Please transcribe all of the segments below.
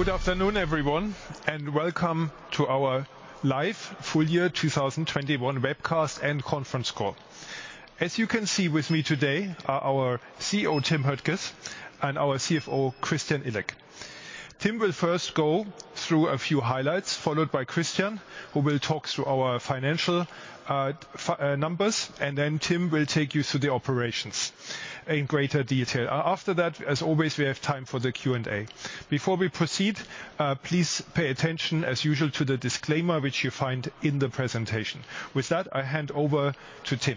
Good afternoon, everyone, and welcome to our live full year 2021 webcast and conference call. As you can see with me today are our CEO, Timotheus Höttges, and our CFO, Christian Illek. Tim will first go through a few highlights, followed by Christian, who will talk through our financial numbers, and then Tim will take you through the operations in greater detail. After that, as always, we have time for the Q&A. Before we proceed, please pay attention as usual to the disclaimer which you find in the presentation. With that, I hand over to Tim.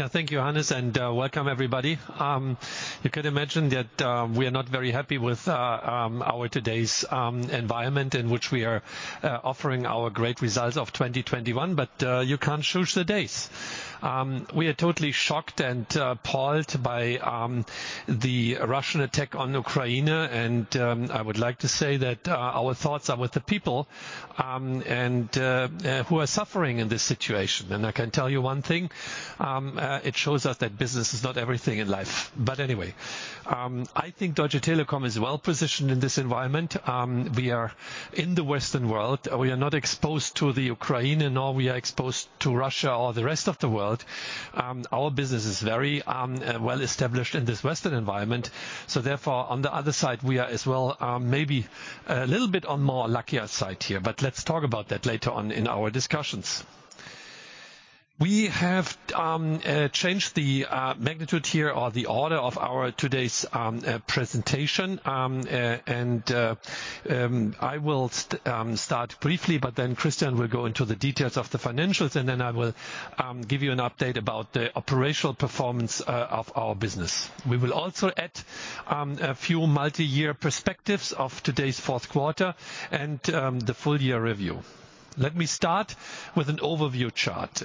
Yeah. Thank you, Hannes, and welcome everybody. You could imagine that we are not very happy with our today's environment in which we are offering our great results of 2021, but you can't choose the days. We are totally shocked and appalled by the Russian attack on Ukraine and I would like to say that our thoughts are with the people who are suffering in this situation. I can tell you one thing, it shows us that business is not everything in life. Anyway, I think Deutsche Telekom is well positioned in this environment. We are in the Western world. We are not exposed to Ukraine, and nor we are exposed to Russia or the rest of the world. Our business is very, well established in this Western environment. Therefore on the other side we are as well, maybe a little bit on more luckier side here, but let's talk about that later on in our discussions. We have changed the magnitude here or the order of our today's presentation. I will start briefly, but then Christian will go into the details of the financials, and then I will give you an update about the operational performance of our business. We will also add a few multiyear perspectives of today's Q4 and the full year review. Let me start with an overview chart.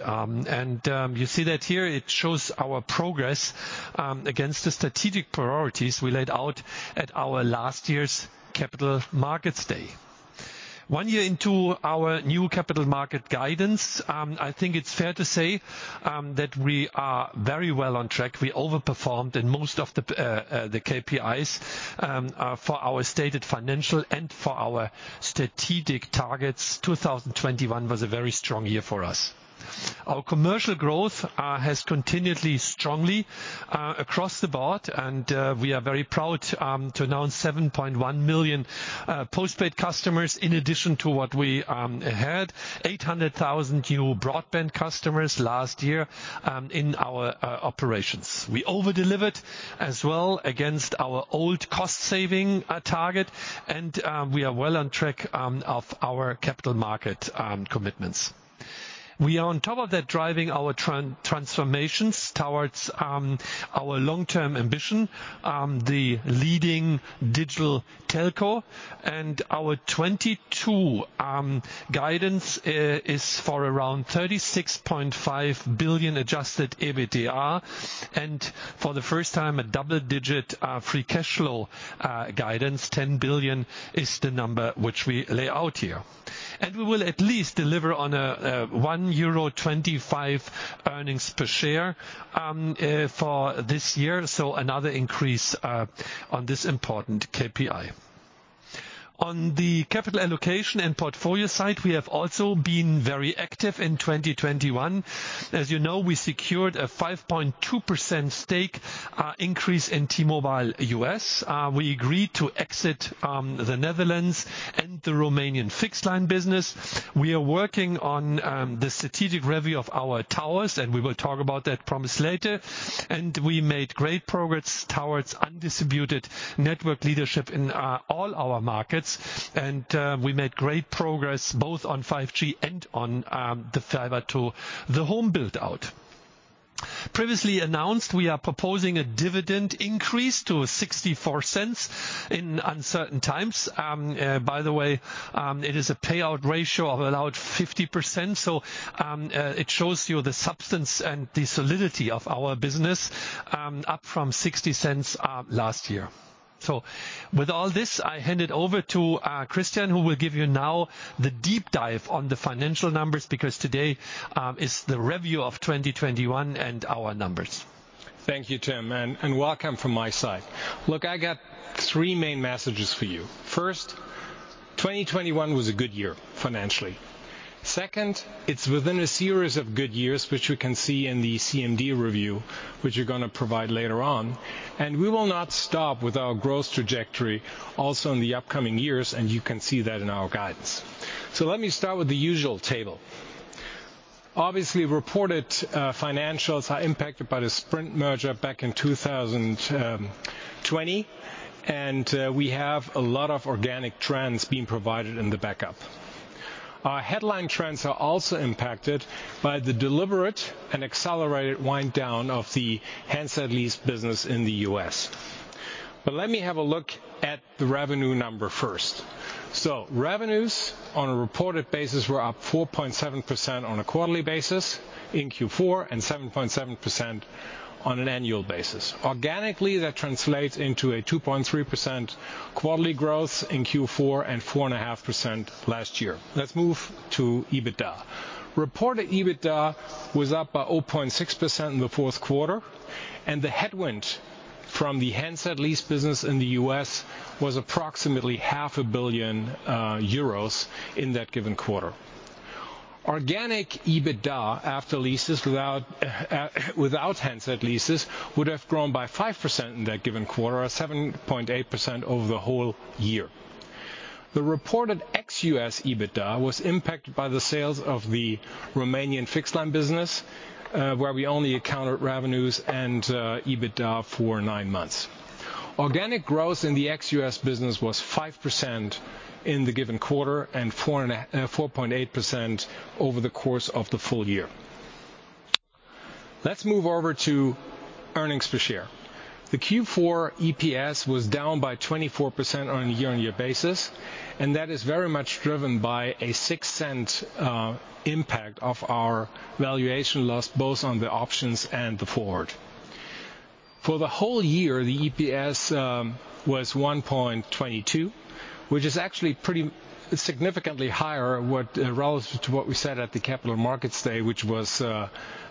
You see that here it shows our progress against the strategic priorities we laid out at our last year's Capital Markets Day. One year into our new capital markets guidance, I think it's fair to say that we are very well on track. We overperformed in most of the KPIs for our stated financial and strategic targets. 2021 was a very strong year for us. Our commercial growth has continued strongly across the board, and we are very proud to announce 7.1 million postpaid customers in addition to what we had. 800,000 new broadband customers last year in our operations. We over-delivered as well against our old cost saving target and we are well on track of our capital market commitments. We are on top of that driving our transformations towards our long-term ambition, the leading digital telco. Our 2022 guidance is for around 36.5 billion adjusted EBITDA. For the first time, a double-digit free cashflow guidance. 10 billion is the number which we lay out here. We will at least deliver on a 1.25 euro earnings per share for this year, so another increase on this important KPI. On the capital allocation and portfolio side, we have also been very active in 2021. As you know, we secured a 5.2% stake increase in T-Mobile US. We agreed to exit the Netherlands and the Romanian fixed line business. We are working on the strategic review of our towers, and we will talk about that more later. We made great progress towards unrivaled network leadership in all our markets. We made great progress both on 5G and on the fiber to the home build-out. Previously announced, we are proposing a dividend increase to 0.64 in uncertain times. By the way, it is a payout ratio of a low 50%, so it shows you the substance and the solidity of our business, up from 0.60 last year. With all this, I hand it over to Christian, who will give you now the deep dive on the financial numbers because today is the review of 2021 and our numbers. Thank you, Tim, and welcome from my side. Look, I got three main messages for you. First, 2021 was a good year financially. Second, it's within a series of good years, which we can see in the CMD review, which we're gonna provide later on. We will not stop with our growth trajectory also in the upcoming years, and you can see that in our guidance. Let me start with the usual table. Obviously, reported financials are impacted by the Sprint merger back in 2020. We have a lot of organic trends being provided in the backup. Our headline trends are also impacted by the deliberate and accelerated wind down of the handset lease business in the U.S. Let me have a look at the revenue number first. Revenues on a reported basis were up 4.7% on a quarterly basis in Q4 and 7.7% on an annual basis. Organically, that translates into a 2.3% quarterly growth in Q4 and 4.5% last year. Let's move to EBITDA. Reported EBITDA was up by 0.6% in the Q4, and the headwind from the handset lease business in the U.S. was approximately half a billion EUR in that given quarter. Organic EBITDA after leases without handset leases would have grown by 5% in that given quarter or 7.8% over the whole year. The reported ex-U.S. EBITDA was impacted by the sales of the Romanian fixed line business, where we only accounted revenues and EBITDA for nine months. Organic growth in the ex-US business was 5% in the given quarter and 4.8% over the course of the full year. Let's move over to earnings per share. The Q4 EPS was down by 24% on a year-on-year basis, and that is very much driven by a 0.06 impact of our valuation loss, both on the options and the forward. For the whole year, the EPS was 1.22, which is actually pretty significantly higher relative to what we said at the Capital Markets Day, which was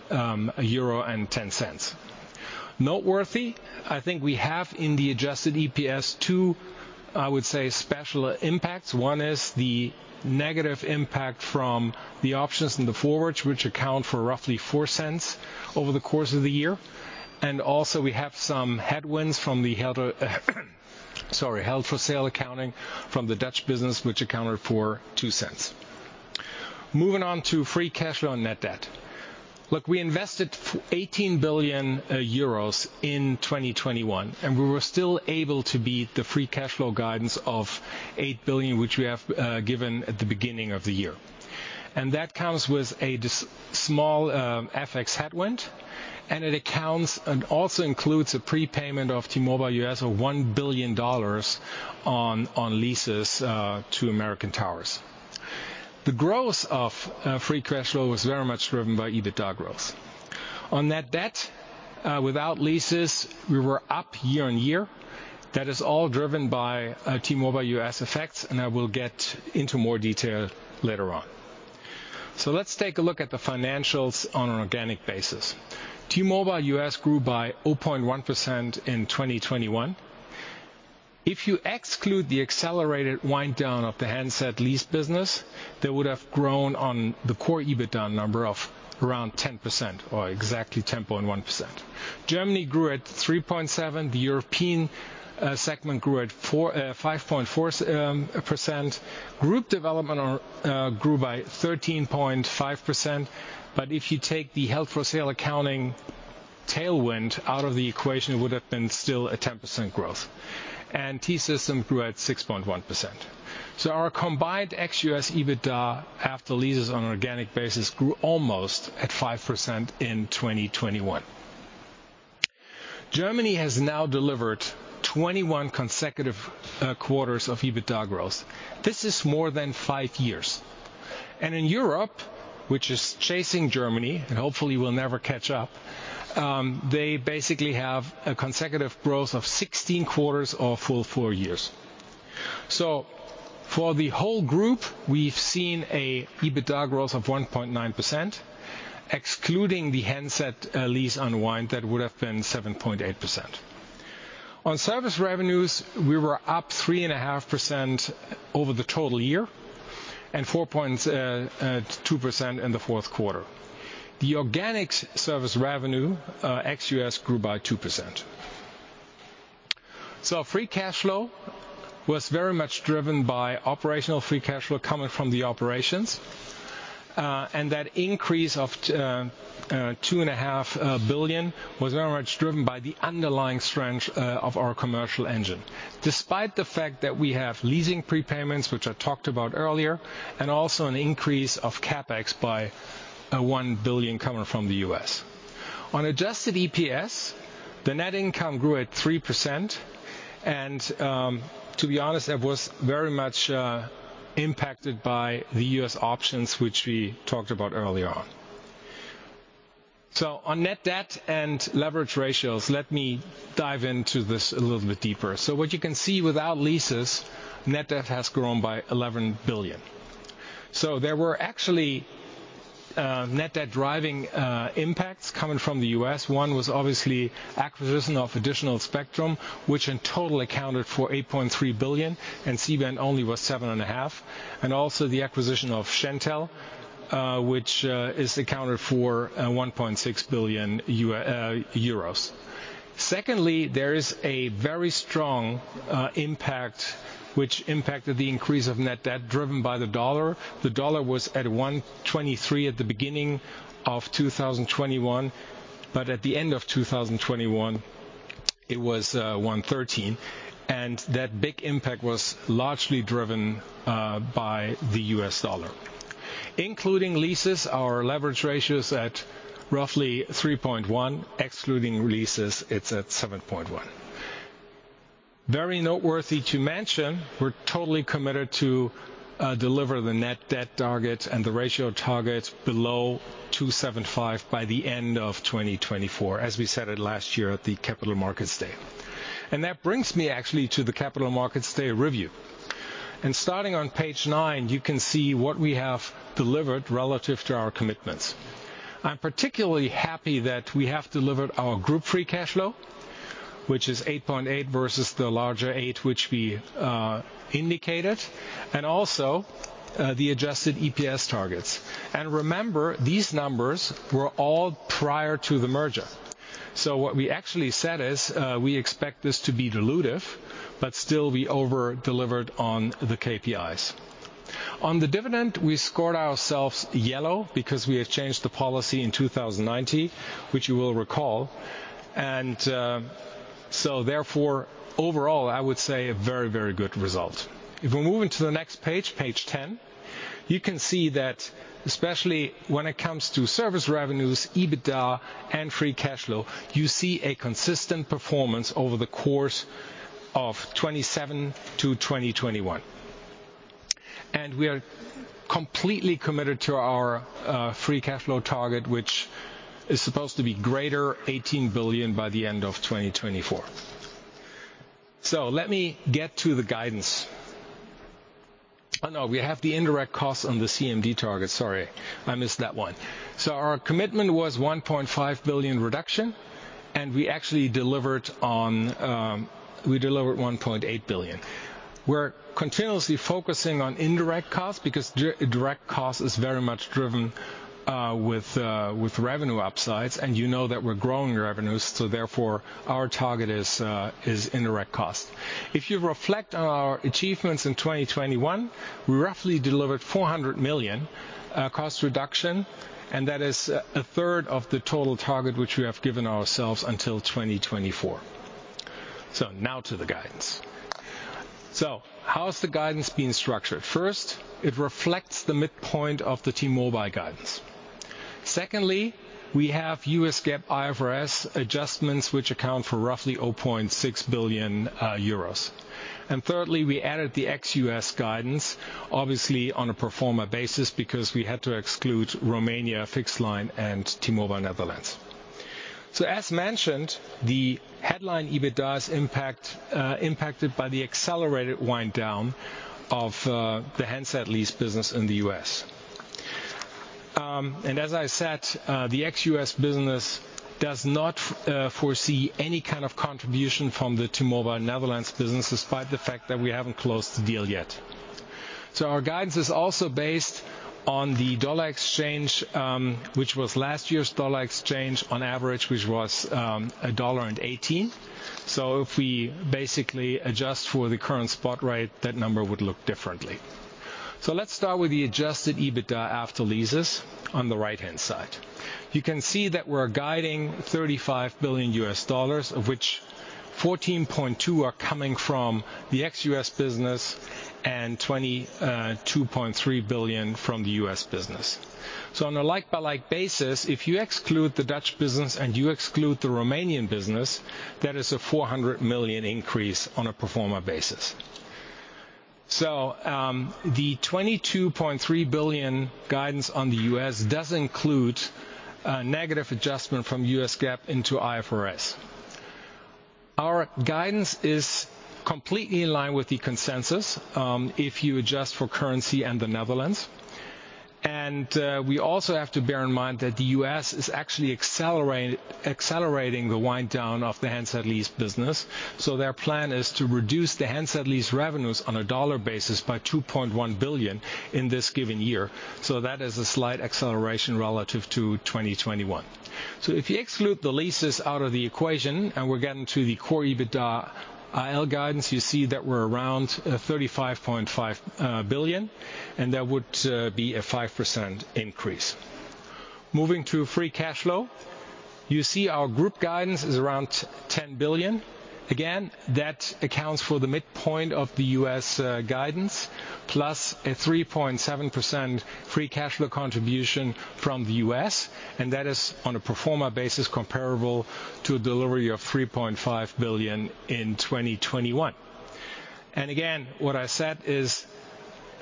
1.10 euro. Noteworthy, I think we have in the adjusted EPS two, I would say, special impacts. One is the negative impact from the options and the forwards, which account for roughly 0.04 over the course of the year. We have some headwinds from the held for sale accounting from the Dutch business, which accounted for 0.02. Moving on to free cash flow, net debt. Look, we invested 18 billion euros in 2021, and we were still able to beat the free cash flow guidance of 8 billion, which we have given at the beginning of the year. That comes with a small FX headwind, and it accounts and also includes a prepayment of T-Mobile US of $1 billion on leases to American Tower. The growth of free cash flow was very much driven by EBITDA growth. On net debt without leases, we were up year-on-year. That is all driven by T-Mobile US effects, and I will get into more detail later on. Let's take a look at the financials on an organic basis. T-Mobile US grew by 0.1% in 2021. If you exclude the accelerated wind down of the handset lease business, they would have grown on the core EBITDA number of around 10% or exactly 10.1%. Germany grew at 3.7%. The European segment grew at 5.4%. Group Development grew by 13.5%. If you take the held for sale accounting tailwind out of the equation, it would have been still a 10% growth. T-Systems grew at 6.1%. Our combined ex-US EBITDA after leases on an organic basis grew almost at 5% in 2021. Germany has now delivered 21 consecutive quarters of EBITDA growth. This is more than five years. In Europe, which is chasing Germany, and hopefully will never catch up, they basically have a consecutive growth of 16 quarters or full four years. For the whole group, we've seen an EBITDA growth of 1.9%, excluding the handset lease unwind, that would have been 7.8%. On service revenues, we were up 3.5% over the total year and 4.2% in the Q4. The organic service revenue ex-US grew by 2%. Free cash flow was very much driven by operational free cash flow coming from the operations. That increase of 2.5 billion was very much driven by the underlying strength of our commercial engine. Despite the fact that we have leasing prepayments, which I talked about earlier, and also an increase of CapEx by 1 billion coming from the U.S. On adjusted EPS, the net income grew at 3%. To be honest, that was very much impacted by the U.S. operations, which we talked about earlier on. On net debt and leverage ratios, let me dive into this a little bit deeper. What you can see without leases, net debt has grown by 11 billion. There were actually net debt driving impacts coming from the U.S. One was obviously acquisition of additional spectrum, which in total accounted for 8.3 billion, and C-band only was 7.5 billion. The acquisition of Shentel, which is accounted for 1.6 billion euros. Secondly, there is a very strong impact which impacted the increase of net debt driven by the dollar. The dollar was at 1.23 at the beginning of 2021, but at the end of 2021, it was 1.13. That big impact was largely driven by the US dollar. Including leases, our leverage ratio is at roughly 3.1. Excluding leases, it's at 7.1. Very noteworthy to mention, we're totally committed to deliver the net debt target and the ratio target below 2.75 by the end of 2024, as we said it last year at the Capital Markets Day. That brings me actually to the Capital Markets Day review. Starting on page nine, you can see what we have delivered relative to our commitments. I'm particularly happy that we have delivered our group free cash flow, which is 8.8 versus the lagged 8 which we indicated, and also the adjusted EPS targets. Remember, these numbers were all prior to the merger. What we actually said is, we expect this to be dilutive, but still we over-delivered on the KPIs. On the dividend, we scored ourselves yellow because we have changed the policy in 2019, which you will recall. Therefore, overall, I would say a very, very good result. If we're moving to the next page 10, you can see that especially when it comes to service revenues, EBITDA, and free cash flow, you see a consistent performance over the course of 2017-2021. We are completely committed to our free cash flow target, which is supposed to be greater 18 billion by the end of 2024. Let me get to the guidance. Oh, no, we have the indirect costs on the CMD target. Sorry, I missed that one. Our commitment was 1.5 billion reduction, and we actually delivered 1.8 billion. We're continuously focusing on indirect costs because direct cost is very much driven with revenue upsides, and you know that we're growing revenues, so therefore, our target is indirect cost. If you reflect on our achievements in 2021, we roughly delivered 400 million cost reduction, and that is a third of the total target which we have given ourselves until 2024. Now to the guidance. How is the guidance being structured? First, it reflects the midpoint of the T-Mobile guidance. Secondly, we have U.S. GAAP, IFRS adjustments which account for roughly 0.6 billion EUR, euros. Thirdly, we added the ex-U.S. guidance, obviously on a pro forma basis because we had to exclude Romania Fixed Line and T-Mobile Netherlands. As mentioned, the headline EBITDA's impact impacted by the accelerated wind down of the handset lease business in the U.S. As I said, the ex-U.S. business does not foresee any kind of contribution from the T-Mobile Netherlands business despite the fact that we haven't closed the deal yet. Our guidance is also based on the dollar exchange, which was last year's dollar exchange on average, which was a dollar and eighteen. If we basically adjust for the current spot rate, that number would look differently. Let's start with the adjusted EBITDA after leases on the right-hand side. You can see that we're guiding $35 billion, of which $14.2 billion are coming from the ex-US business and $22.3 billion from the US business. On a like-for-like basis, if you exclude the Dutch business and you exclude the Romanian business, that is a $400 million increase on a pro forma basis. The $22.3 billion guidance on the US does include negative adjustment from U.S. GAAP into IFRS. Our guidance is completely in line with the consensus, if you adjust for currency and the Netherlands. We also have to bear in mind that the U.S. is actually accelerating the wind down of the handset lease business. Their plan is to reduce the handset lease revenues on a dollar basis by $2.1 billion in this given year. That is a slight acceleration relative to 2021. If you exclude the leases out of the equation, and we're getting to the core EBITDA AL guidance, you see that we're around 35.5 billion, and that would be a 5% increase. Moving to free cash flow. You see our group guidance is around 10 billion. Again, that accounts for the midpoint of the U.S. guidance, plus a 3.7% free cash flow contribution from the U.S., and that is on a pro forma basis comparable to a delivery of $3.5 billion in 2021. Again, what I said is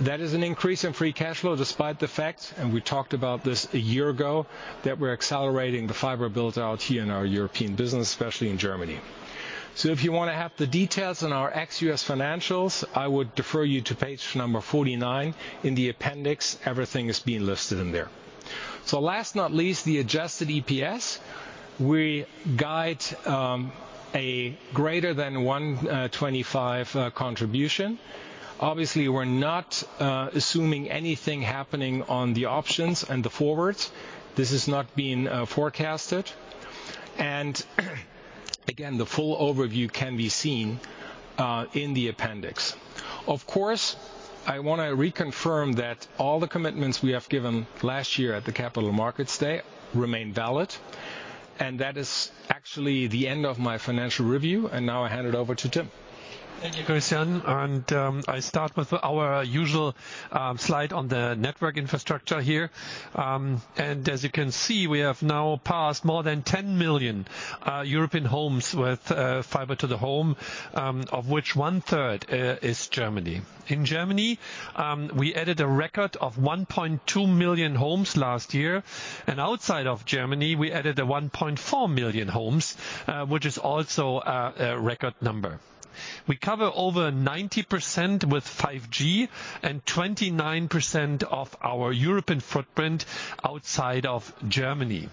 that is an increase in free cash flow despite the fact, and we talked about this a year ago, that we're accelerating the fiber build-out here in our European business, especially in Germany. If you wanna have the details on our ex-US financials, I would refer you to page number 49. In the appendix, everything is being listed in there. Last but not least, the adjusted EPS. We guide a greater than 1.25 contribution. Obviously, we're not assuming anything happening on the options and the forwards. This is not being forecasted. Again, the full overview can be seen in the appendix. Of course, I wanna reconfirm that all the commitments we have given last year at the Capital Markets Day remain valid. That is actually the end of my financial review. Now I hand it over to Tim. Thank you, Christian. I start with our usual slide on the network infrastructure here. As you can see, we have now passed more than 10 million European homes with fiber to the home, of which one-third is Germany. In Germany, we added a record of 1.2 million homes last year. Outside of Germany, we added 1.4 million homes, which is also a record number. We cover over 90% with 5G and 29% of our European footprint outside of Germany.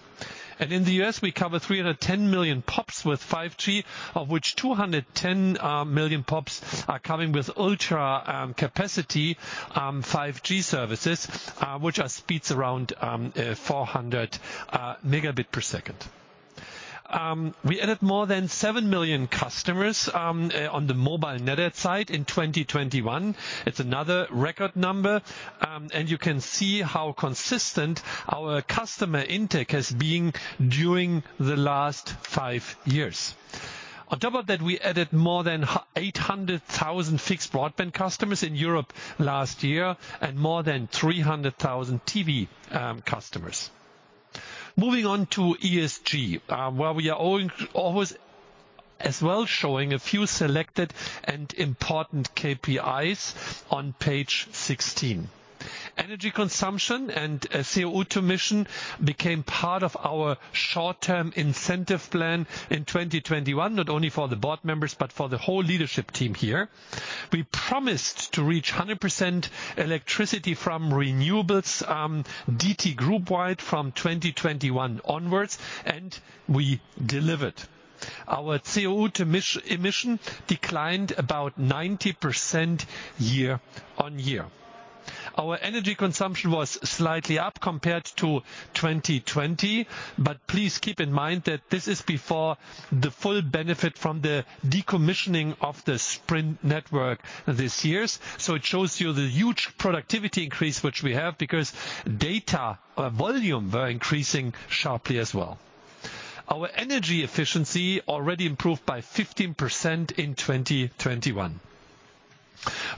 In the U.S., we cover 310 million POPs with 5G, of which 210 million POPs are coming with ultra capacity 5G services, which are speeds around 400 megabit per second. We added more than 7 million customers on the mobile net add side in 2021. It's another record number. You can see how consistent our customer intake has been during the last five years. On top of that, we added more than 800,000 fixed broadband customers in Europe last year and more than 300,000 TV customers. Moving on to ESG, where we are always as well showing a few selected and important KPIs on page 16. Energy consumption and CO2 emission became part of our short-term incentive plan in 2021, not only for the board members, but for the whole leadership team here. We promised to reach 100% electricity from renewables, DT Group-wide from 2021 onwards, and we delivered. Our CO2 emission declined about 90% year-over-year. Our energy consumption was slightly up compared to 2020, but please keep in mind that this is before the full benefit from the decommissioning of the Sprint network this year. It shows you the huge productivity increase which we have because data volume was increasing sharply as well. Our energy efficiency already improved by 15% in 2021.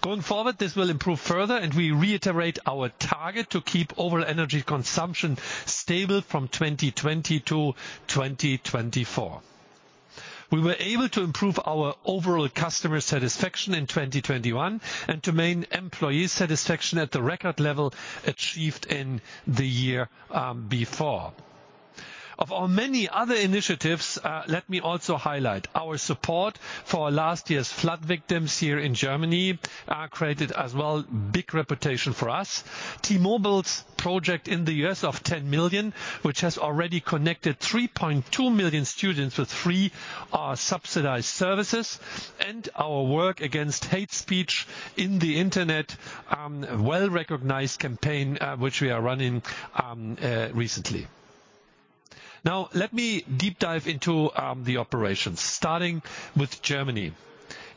Going forward, this will improve further and we reiterate our target to keep overall energy consumption stable from 2020-2024. We were able to improve our overall customer satisfaction in 2021 and to maintain employee satisfaction at the record level achieved in the year before. Of our many other initiatives, let me also highlight our support for last year's flood victims here in Germany, created as well big reputation for us. T-Mobile's Project 10Million in the U.S., which has already connected 3.2 million students with free, subsidized services and our work against hate speech on the internet, well-recognized campaign, which we are running recently. Now let me deep dive into the operations starting with Germany.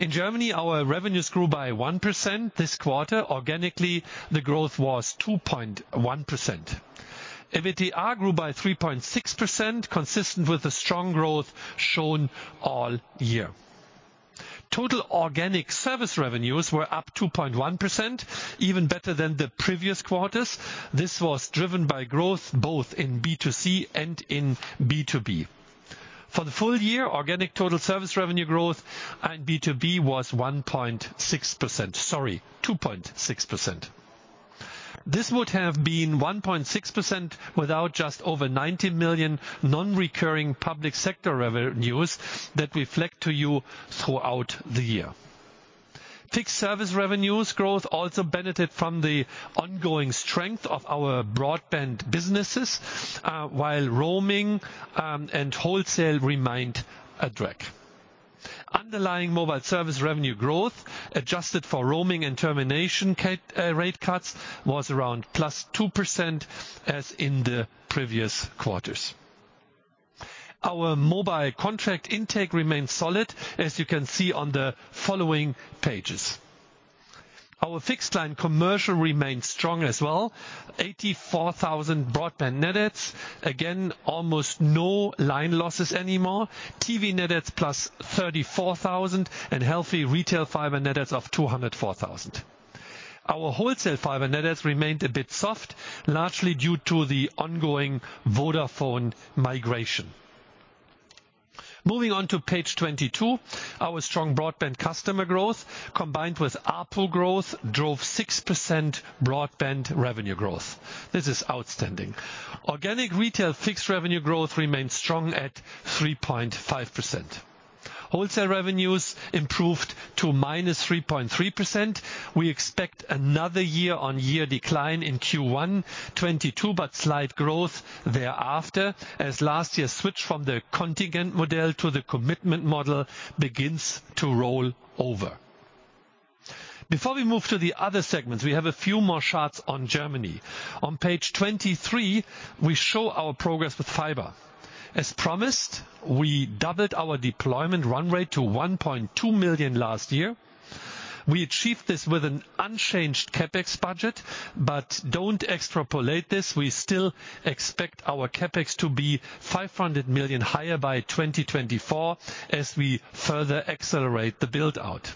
In Germany, our revenues grew by 1% this quarter. Organically, the growth was 2.1%. EBITDA grew by 3.6%, consistent with the strong growth shown all year. Total organic service revenues were up 2.1%, even better than the previous quarters. This was driven by growth both in B2C and in B2B. For the full year, organic total service revenue growth in B2B was 1.6%. Sorry, 2.6%. This would have been 1.6% without just over 90 million non-recurring public sector revenues that reflect to you throughout the year. Fixed service revenues growth also benefited from the ongoing strength of our broadband businesses, while roaming and wholesale remained a drag. Underlying mobile service revenue growth, adjusted for roaming and termination rate cuts, was around +2% as in the previous quarters. Our mobile contract intake remained solid, as you can see on the following pages. Our fixed line commercial remained strong as well. 84,000 broadband net adds. Again, almost no line losses anymore. TV net adds +34,000 and healthy retail fiber net adds of 204,000. Our wholesale fiber net adds remained a bit soft, largely due to the ongoing Vodafone migration. Moving on to page 22. Our strong broadband customer growth, combined with ARPU growth, drove 6% broadband revenue growth. This is outstanding. Organic retail fixed revenue growth remained strong at 3.5%. Wholesale revenues improved to -3.3%. We expect another year-on-year decline in Q1 2022, but slight growth thereafter as last year's switch from the contingent model to the commitment model begins to roll over. Before we move to the other segments, we have a few more charts on Germany. On page 23, we show our progress with fiber. As promised, we doubled our deployment run rate to 1.2 million last year. We achieved this with an unchanged CapEx budget, but don't extrapolate this. We still expect our CapEx to be 500 million higher by 2024 as we further accelerate the build-out.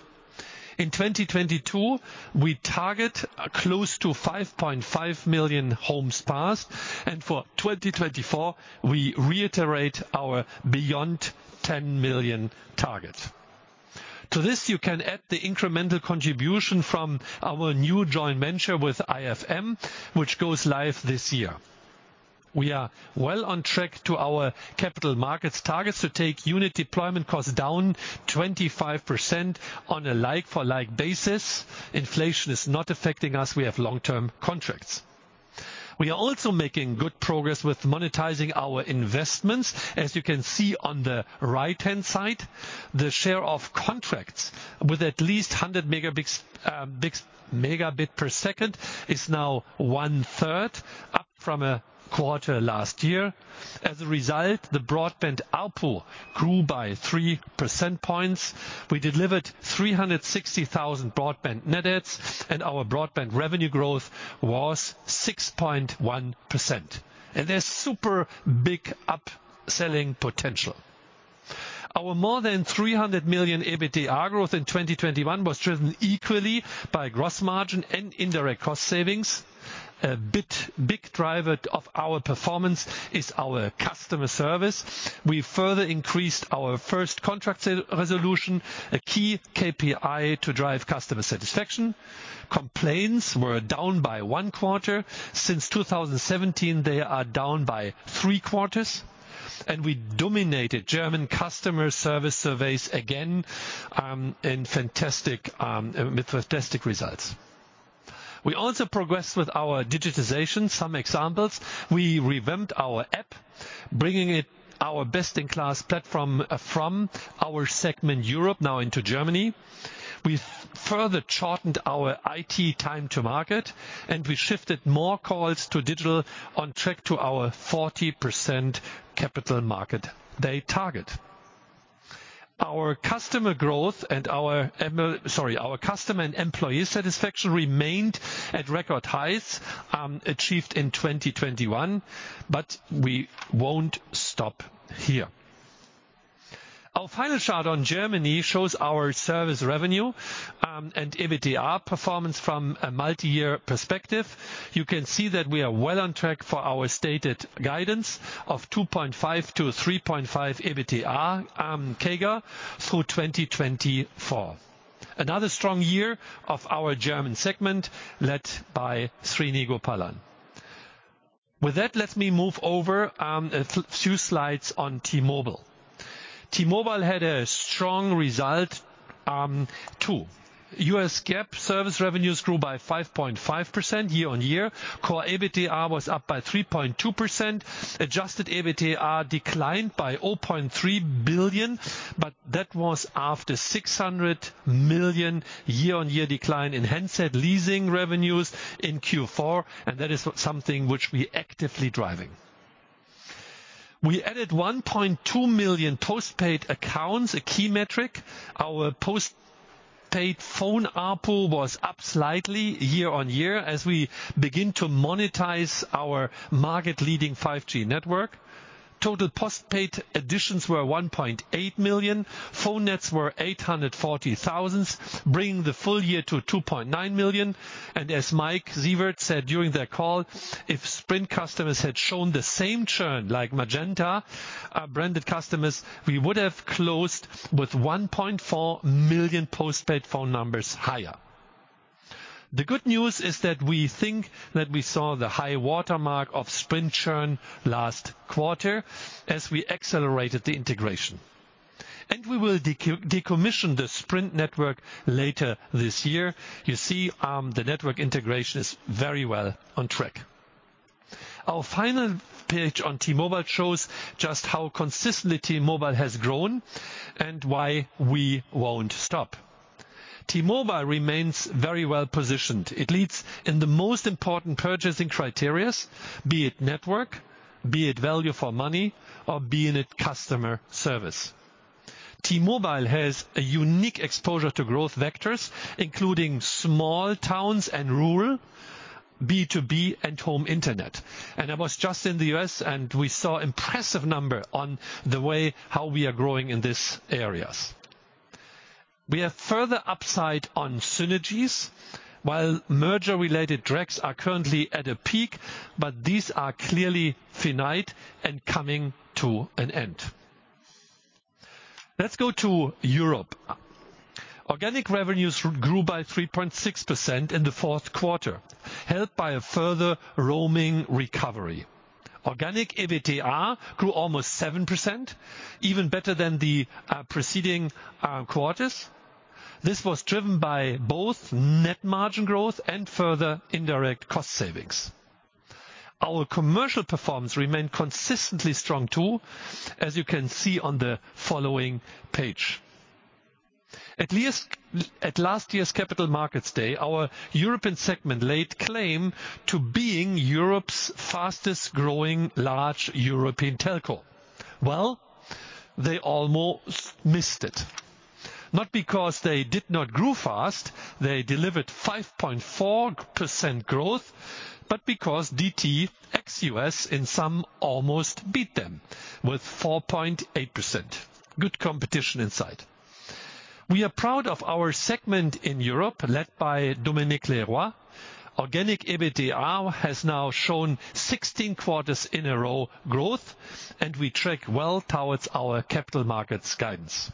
In 2022, we target close to 5.5 million homes passed, and for 2024, we reiterate our beyond 10 million target. To this, you can add the incremental contribution from our new joint venture with IFM, which goes live this year. We are well on track to our capital markets targets to take unit deployment costs down 25% on a like-for-like basis. Inflation is not affecting us, we have long-term contracts. We are also making good progress with monetizing our investments. As you can see on the right-hand side, the share of contracts with at least a hundred megabits per second is now 1/3, up from a quarter last year. As a result, the broadband ARPU grew by 3 percentage points. We delivered 360,000 broadband net adds, and our broadband revenue growth was 6.1%. There's super big upselling potential. Our more than 300 million EBITDA growth in 2021 was driven equally by gross margin and indirect cost savings. A big driver of our performance is our customer service. We further increased our first contract sale resolution, a key KPI to drive customer satisfaction. Complaints were down by one quarter. Since 2017, they are down by three quarters. We dominated German customer service surveys again with fantastic results. We also progressed with our digitization. Some examples, we revamped our app, bringing our best-in-class platform from our segment Europe now into Germany. We've further shortened our IT time to market, and we shifted more calls to digital on track to our 40% Capital Markets Day target. Our customer growth and our customer and employee satisfaction remained at record highs, achieved in 2021, but we won't stop here. Our final chart on Germany shows our service revenue and EBITDA performance from a multi-year perspective. You can see that we are well on track for our stated guidance of 2.5%-3.5% EBITDA CAGR through 2024. Another strong year of our German segment led by Srinivasan Gopalan. With that, let me move over a few slides on T-Mobile. T-Mobile had a strong result, too. U.S. GAAP service revenues grew by 5.5% year-on-year. Core EBITDA was up by 3.2%. Adjusted EBITDA declined by $0.3 billion, but that was after $600 million year-on-year decline in handset leasing revenues in Q4, and that is something which we actively driving. We added 1.2 million postpaid accounts, a key metric. Our postpaid phone ARPU was up slightly year on year as we begin to monetize our market-leading 5G network. Total postpaid additions were 1.8 million. Phone nets were 840,000, bringing the full year to 2.9 million. As Mike Sievert said during the call, if Sprint customers had shown the same churn like Magenta branded customers, we would have closed with 1.4 million postpaid phone numbers higher. The good news is that we think that we saw the high watermark of Sprint churn last quarter as we accelerated the integration. We will decommission the Sprint network later this year. You see, the network integration is very well on track. Our final page on T-Mobile shows just how consistently T-Mobile has grown and why we won't stop. T-Mobile remains very well positioned. It leads in the most important purchasing criteria, be it network, be it value for money or be it customer service. T-Mobile has a unique exposure to growth vectors, including small towns and rural, B2B and home internet. I was just in the U.S., and we saw impressive number on the way how we are growing in these areas. We have further upside on synergies, while merger-related drags are currently at a peak, but these are clearly finite and coming to an end. Let's go to Europe. Organic revenues grew by 3.6% in the Q4, helped by a further roaming recovery. Organic EBITDA grew almost 7%, even better than the preceding quarters. This was driven by both net margin growth and further indirect cost savings. Our commercial performance remained consistently strong too, as you can see on the following page. At last year's Capital Markets Day, our European segment laid claim to being Europe's fastest growing large European telco. Well, they almost missed it. Not because they did not grow fast, they delivered 5.4% growth, but because DT ex US in sum almost beat them with 4.8%. Good competition in sight. We are proud of our segment in Europe, led by Dominique Leroy. Organic EBITDA has now shown 16 quarters in a row growth, and we track well towards our capital markets guidance.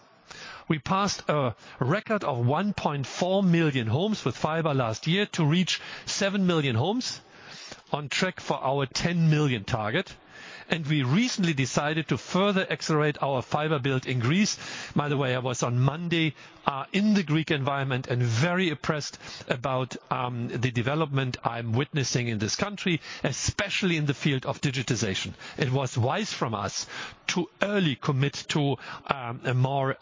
We passed a record of 1.4 million homes with fiber last year to reach 7 million homes. On track for our 10 million target. We recently decided to further accelerate our fiber build in Greece. By the way, I was on Monday in the Greek environment, and very impressed about the development I'm witnessing in this country, especially in the field of digitization. It was wise from us to early commit to a more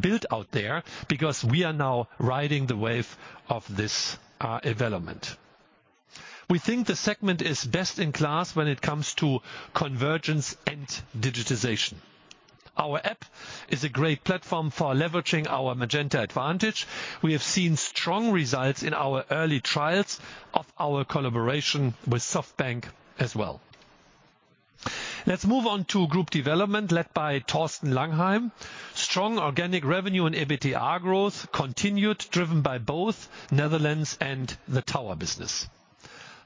build out there because we are now riding the wave of this development. We think the segment is best in class when it comes to convergence and digitization. Our app is a great platform for leveraging our Magenta Advantage. We have seen strong results in our early trials of our collaboration with SoftBank as well. Let's move on to Group Development led by Thorsten Langheim. Strong organic revenue and EBITDA growth continued, driven by both Netherlands and the tower business.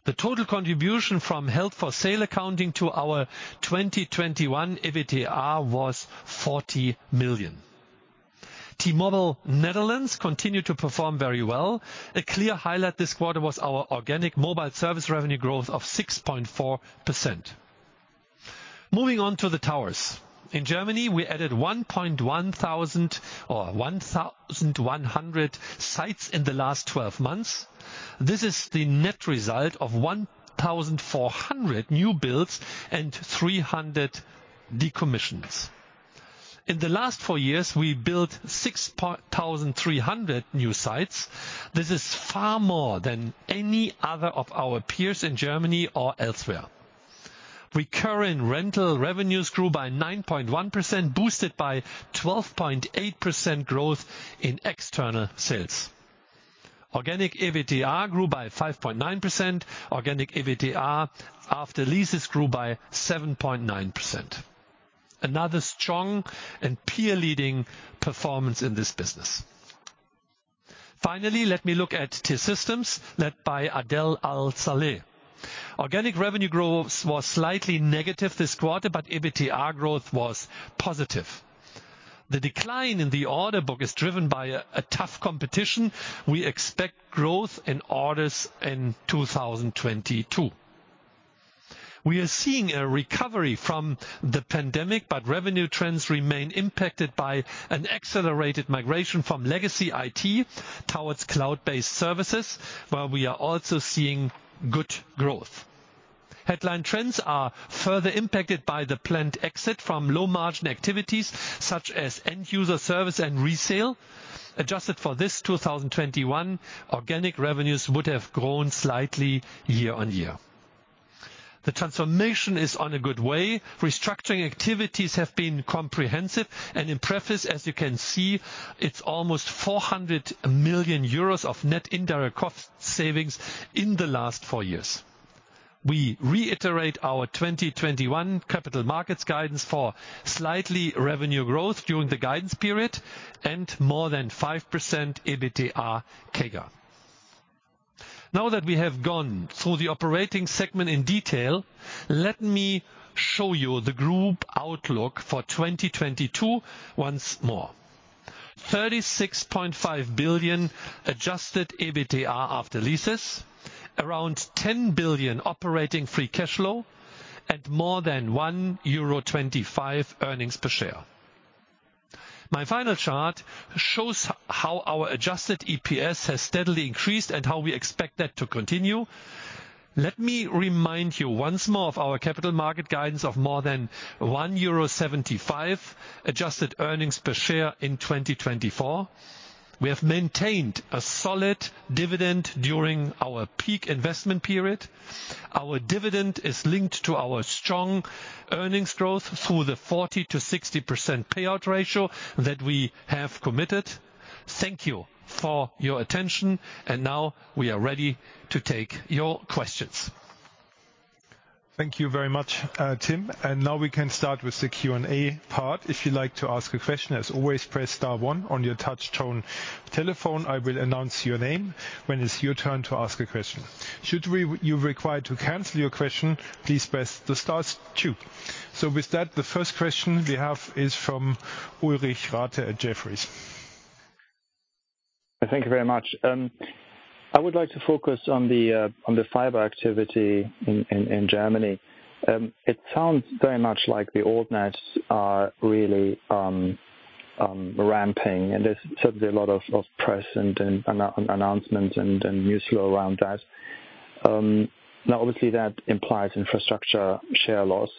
The total contribution from held for sale accounting to our 2021 EBITDA was 40 million. T-Mobile Netherlands continued to perform very well. A clear highlight this quarter was our organic mobile service revenue growth of 6.4%. Moving on to the towers. In Germany, we added 1,100 sites in the last 12 months. This is the net result of 1,400 new builds and 300 decommissions. In the last four years, we built 6,300 new sites. This is far more than any other of our peers in Germany or elsewhere. Recurring rental revenues grew by 9.1%, boosted by 12.8% growth in external sales. Organic EBITDA grew by 5.9%. Organic EBITDA after leases grew by 7.9%. Another strong and peer-leading performance in this business. Finally, let me look at T-Systems, led by Adel Al-Saleh. Organic revenue growth was slightly negative this quarter, but EBITDA growth was positive. The decline in the order book is driven by a tough competition. We expect growth in orders in 2022. We are seeing a recovery from the pandemic, but revenue trends remain impacted by an accelerated migration from legacy IT towards cloud-based services, where we are also seeing good growth. Headline trends are further impacted by the planned exit from low-margin activities such as end-user service and resale. Adjusted for this, 2021 organic revenues would have grown slightly year on year. The transformation is on a good way. Restructuring activities have been comprehensive. In effect, as you can see, it's almost 400 million euros of net indirect cost savings in the last four years. We reiterate our 2021 capital markets guidance for slight revenue growth during the guidance period and more than 5% EBITDA CAGR. Now that we have gone through the operating segment in detail, let me show you the group outlook for 2022 once more. 36.5 billion adjusted EBITDA after leases. Around 10 billion operating free cash flow and more than 1.25 euro earnings per share. My final chart shows how our adjusted EPS has steadily increased and how we expect that to continue. Let me remind you once more of our capital markets guidance of more than 1.75 euro adjusted earnings per share in 2024. We have maintained a solid dividend during our peak investment period. Our dividend is linked to our strong earnings growth through the 40%-60% payout ratio that we have committed. Thank you for your attention, and now we are ready to take your questions. Thank you very much, Tim. Now we can start with the Q&A part. If you'd like to ask a question, as always, press star one on your touchtone telephone. I will announce your name when it's your turn to ask a question. Should you require to cancel your question, please press the star two. With that, the first question we have is from Ulrich Rathe at Jefferies. Thank you very much. I would like to focus on the fiber activity in Germany. It sounds very much like the altnets are really ramping, and there's certainly a lot of press and announcement and news flow around that. Now obviously that implies infrastructure share loss.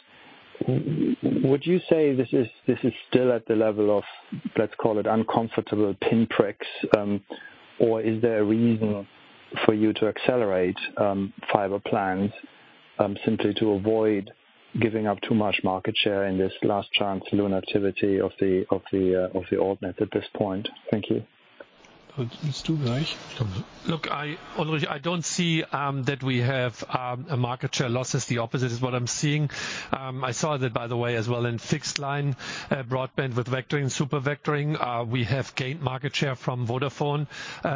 Would you say this is still at the level of, let's call it uncomfortable pinpricks, or is there a reason for you to accelerate fiber plans simply to avoid giving up too much market share in this last chance saloon activity of the altnets at this point? Thank you. Look, Ulrich, I don't see that we have market share losses. The opposite is what I'm seeing. I saw that by the way as well in fixed line broadband with vectoring, Supervectoring. We have gained market share from Vodafone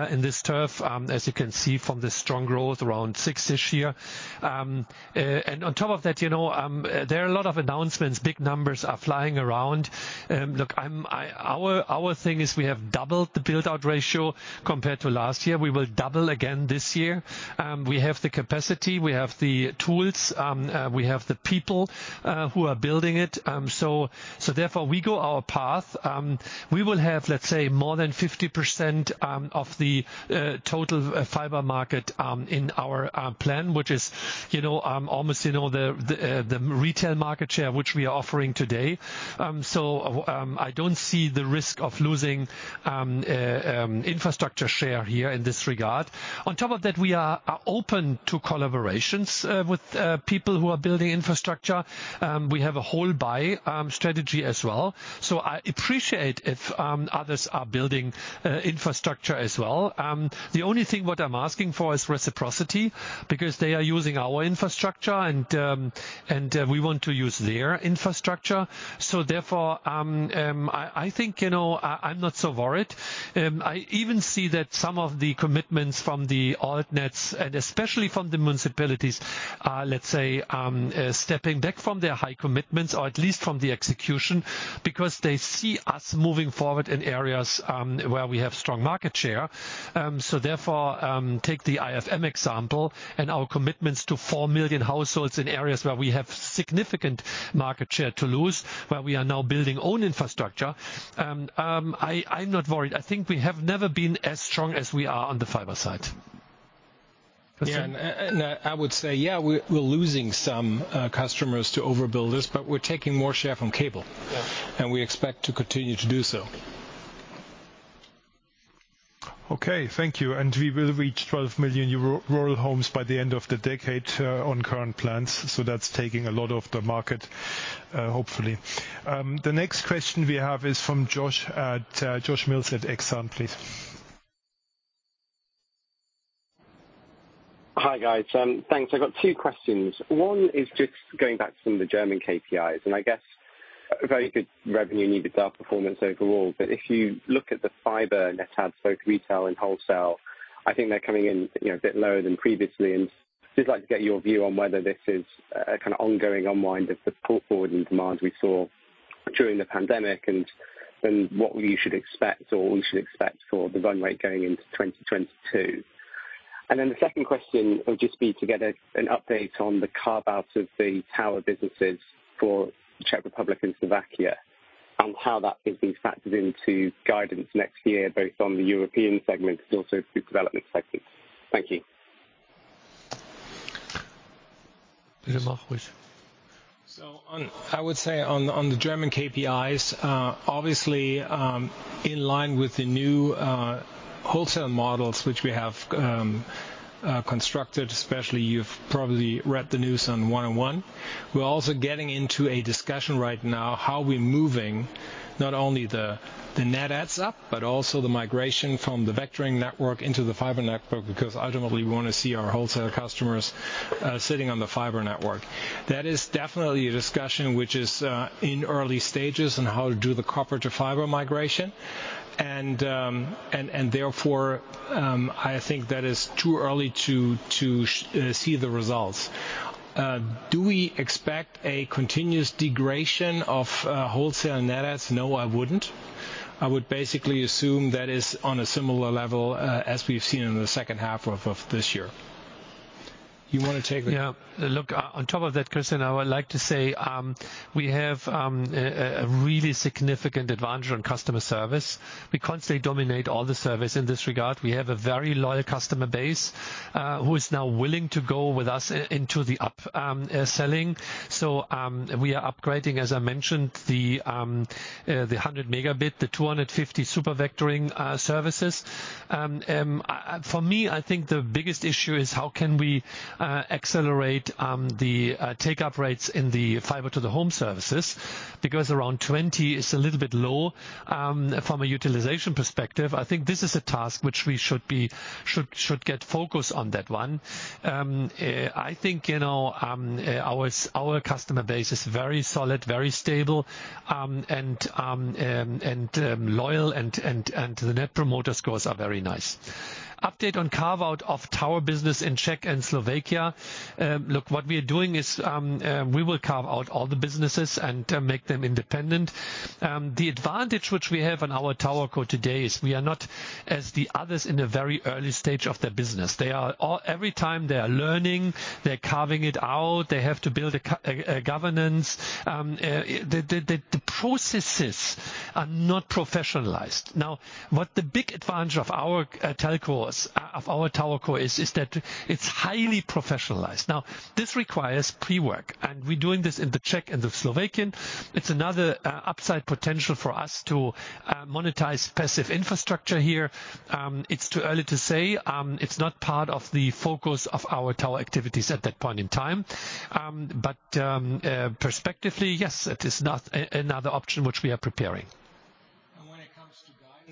in this turf as you can see from the strong growth around 6% this year. On top of that, you know, there are a lot of announcements, big numbers are flying around. Look, our thing is we have doubled the build-out ratio compared to last year. We will double again this year. We have the capacity, we have the tools, we have the people who are building it. Therefore we go our path. We will have, let's say, more than 50% of the total fiber market in our plan, which is, you know, almost, you know, the retail market share which we are offering today. I don't see the risk of losing infrastructure share here in this regard. On top of that, we are open to collaborations with people who are building infrastructure. We have a wholesale strategy as well. I appreciate it if others are building infrastructure as well. The only thing what I'm asking for is reciprocity because they are using our infrastructure and we want to use their infrastructure. Therefore, I think, you know, I'm not so worried. I even see that some of the commitments from the Alt-Nets and especially from the municipalities are, let's say, stepping back from their high commitments or at least from the execution because they see us moving forward in areas where we have strong market share. Therefore, take the IFM example and our commitments to four million households in areas where we have significant market share to lose, where we are now building own infrastructure. I'm not worried. I think we have never been as strong as we are on the fiber side. I would say, yeah, we're losing some customers to overbuilders, but we're taking more share from cable. Yeah. We expect to continue to do so. Okay, thank you. We will reach 12 million rural homes by the end of the decade on current plans. That's taking a lot of the market, hopefully. The next question we have is from Josh Mills at Exane, please. Hi, guys. Thanks. I've got two questions. One is just going back to some of the German KPIs and I guess a very good revenue EBITDA performance overall. But if you look at the fiber net adds, both retail and wholesale, I think they're coming in, you know, a bit lower than previously. I'd just like to get your view on whether this is a kind of ongoing unwind of the pull forward in demand we saw during the pandemic, and what we should expect for the run rate going into 2022. The second question would just be to get an update on the carve-out of the tower businesses for Czech Republic and Slovakia, how that is being factored into guidance next year, both on the European segment but also through development segment. Thank you. On the German KPIs, obviously, in line with the new wholesale models which we have constructed, especially you've probably read the news on 1&1. We're also getting into a discussion right now how we're moving not only the net adds up, but also the migration from the vectoring network into the fiber network, because ultimately we wanna see our wholesale customers sitting on the fiber network. That is definitely a discussion which is in early stages on how to do the copper to fiber migration. Therefore, I think that is too early to see the results. Do we expect a continuous degradation of wholesale net adds? No, I wouldn't. I would basically assume that is on a similar level as we've seen in the second half of this year. You wanna take the- Yeah. Look, on top of that, Christian, I would like to say, we have a really significant advantage on customer service. We constantly dominate all the service in this regard. We have a very loyal customer base who is now willing to go with us into the upselling. We are upgrading, as I mentioned, the 100-megabit, the 250 Supervectoring services. For me, I think the biggest issue is how can we accelerate the take up rates in the fiber to the home services because around 20% is a little bit low from a utilization perspective. I think this is a task which we should get focused on that one. I think, you know, our customer base is very solid, very stable, and loyal, and the net promoter scores are very nice. Update on carve-out of tower business in Czech and Slovakia. Look, what we are doing is, we will carve out all the businesses and make them independent. The advantage which we have on our TowerCo today is we are not as the others in a very early stage of their business. Every time they are learning, they're carving it out, they have to build a governance. The processes are not professionalized. Now, what the big advantage of our telcos, of our TowerCo is that it's highly professionalized. Now, this requires pre-work, and we're doing this in the Czech and the Slovakian. It's another upside potential for us to monetize passive infrastructure here. It's too early to say. It's not part of the focus of our tower activities at that point in time. Perspectively, yes, it is another option which we are preparing.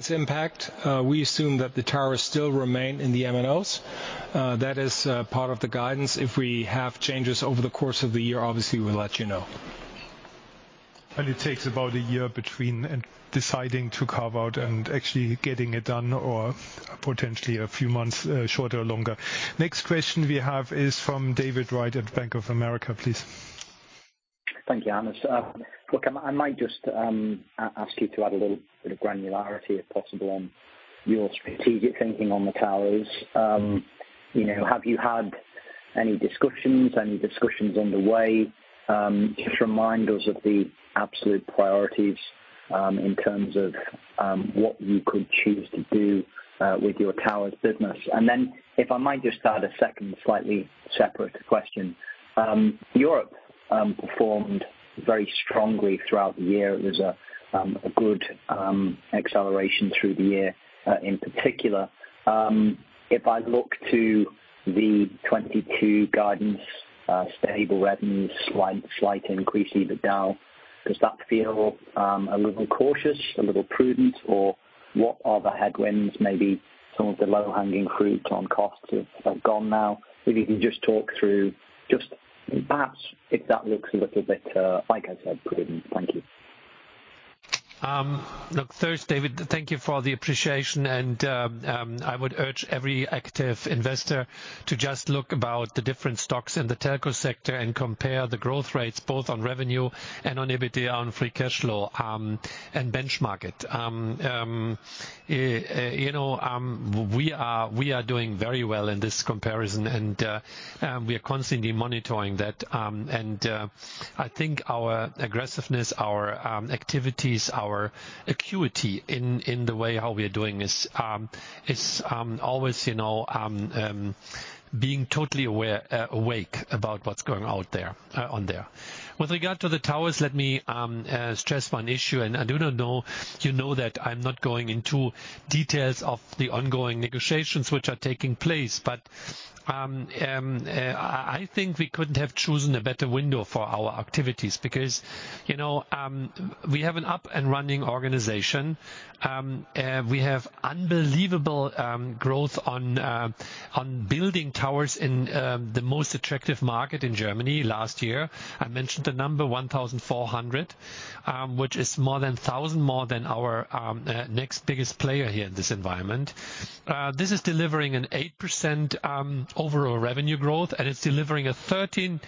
Impact. We assume that the towers still remain in the MNOs. That is part of the guidance. If we have changes over the course of the year, obviously we'll let you know. It takes about a year between deciding to carve out and actually getting it done, or potentially a few months, shorter or longer. Next question we have is from David Wright at Bank of America, please. Thank you, Hannes. Look, I might just ask you to add a little bit of granularity if possible on your strategic thinking on the towers. You know, have you had any discussions on the way? Just remind us of the absolute priorities in terms of what you could choose to do with your towers business. Then if I might just add a second slightly separate question. Europe performed very strongly throughout the year. It was a good acceleration through the year, in particular. If I look to the 2022 guidance, stable revenues, slight increase EBITDA, does that feel a little cautious, a little prudent, or what are the headwinds, maybe some of the low-hanging fruit on costs have gone now? If you can just talk through just perhaps if that looks a little bit, like I said, prudent. Thank you. Look, first, David, thank you for the appreciation and I would urge every active investor to just look about the different stocks in the telco sector and compare the growth rates both on revenue and on EBITDA, on free cash flow, and benchmark it. You know, we are doing very well in this comparison, and we are constantly monitoring that. I think our aggressiveness, our activities, our acuity in the way how we are doing this is always, you know, being totally aware, awake about what's going out there, on there. With regard to the towers, let me stress one issue, and I do not know if you know that I'm not going into details of the ongoing negotiations which are taking place. I think we couldn't have chosen a better window for our activities. You know, we have an up and running organization. We have unbelievable growth on building towers in the most attractive market in Germany last year. I mentioned the number 1,400, which is more than a thousand more than our next biggest player here in this environment. This is delivering an 8% overall revenue growth, and it's delivering a 13%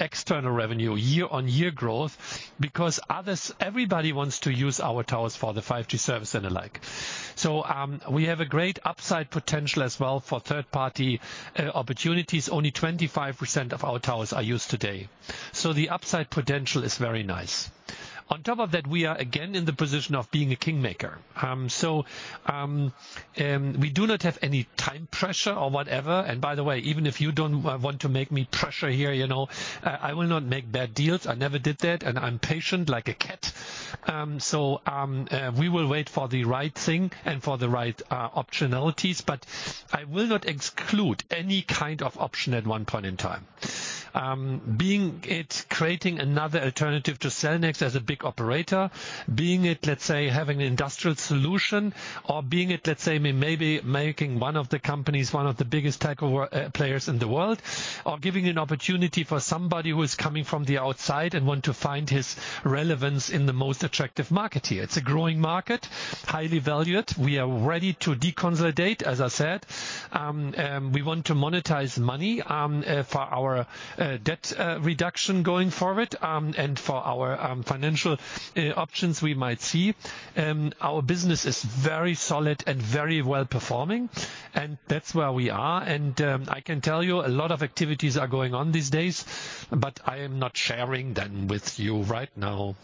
external revenue year-on-year growth because others, everybody wants to use our towers for the 5G service and the like. We have a great upside potential as well for third-party opportunities. Only 25% of our towers are used today. The upside potential is very nice. On top of that, we are again in the position of being a kingmaker. We do not have any time pressure or whatever. By the way, even if you don't want to make me pressure here, you know, I will not make bad deals. I never did that, and I'm patient like a cat. We will wait for the right thing and for the right optionalities. I will not exclude any kind of option at one point in time. Be it creating another alternative to Cellnex as a big operator, be it, let's say, having an industrial solution, or be it, let's say, maybe making one of the companies one of the biggest takeover players in the world. Giving an opportunity for somebody who is coming from the outside and want to find his relevance in the most attractive market here. It's a growing market, highly valued. We are ready to de-consolidate, as I said. We want to monetize money for our debt reduction going forward and for our financial options we might see. Our business is very solid and very well-performing, and that's where we are. I can tell you a lot of activities are going on these days, but I am not sharing them with you right now.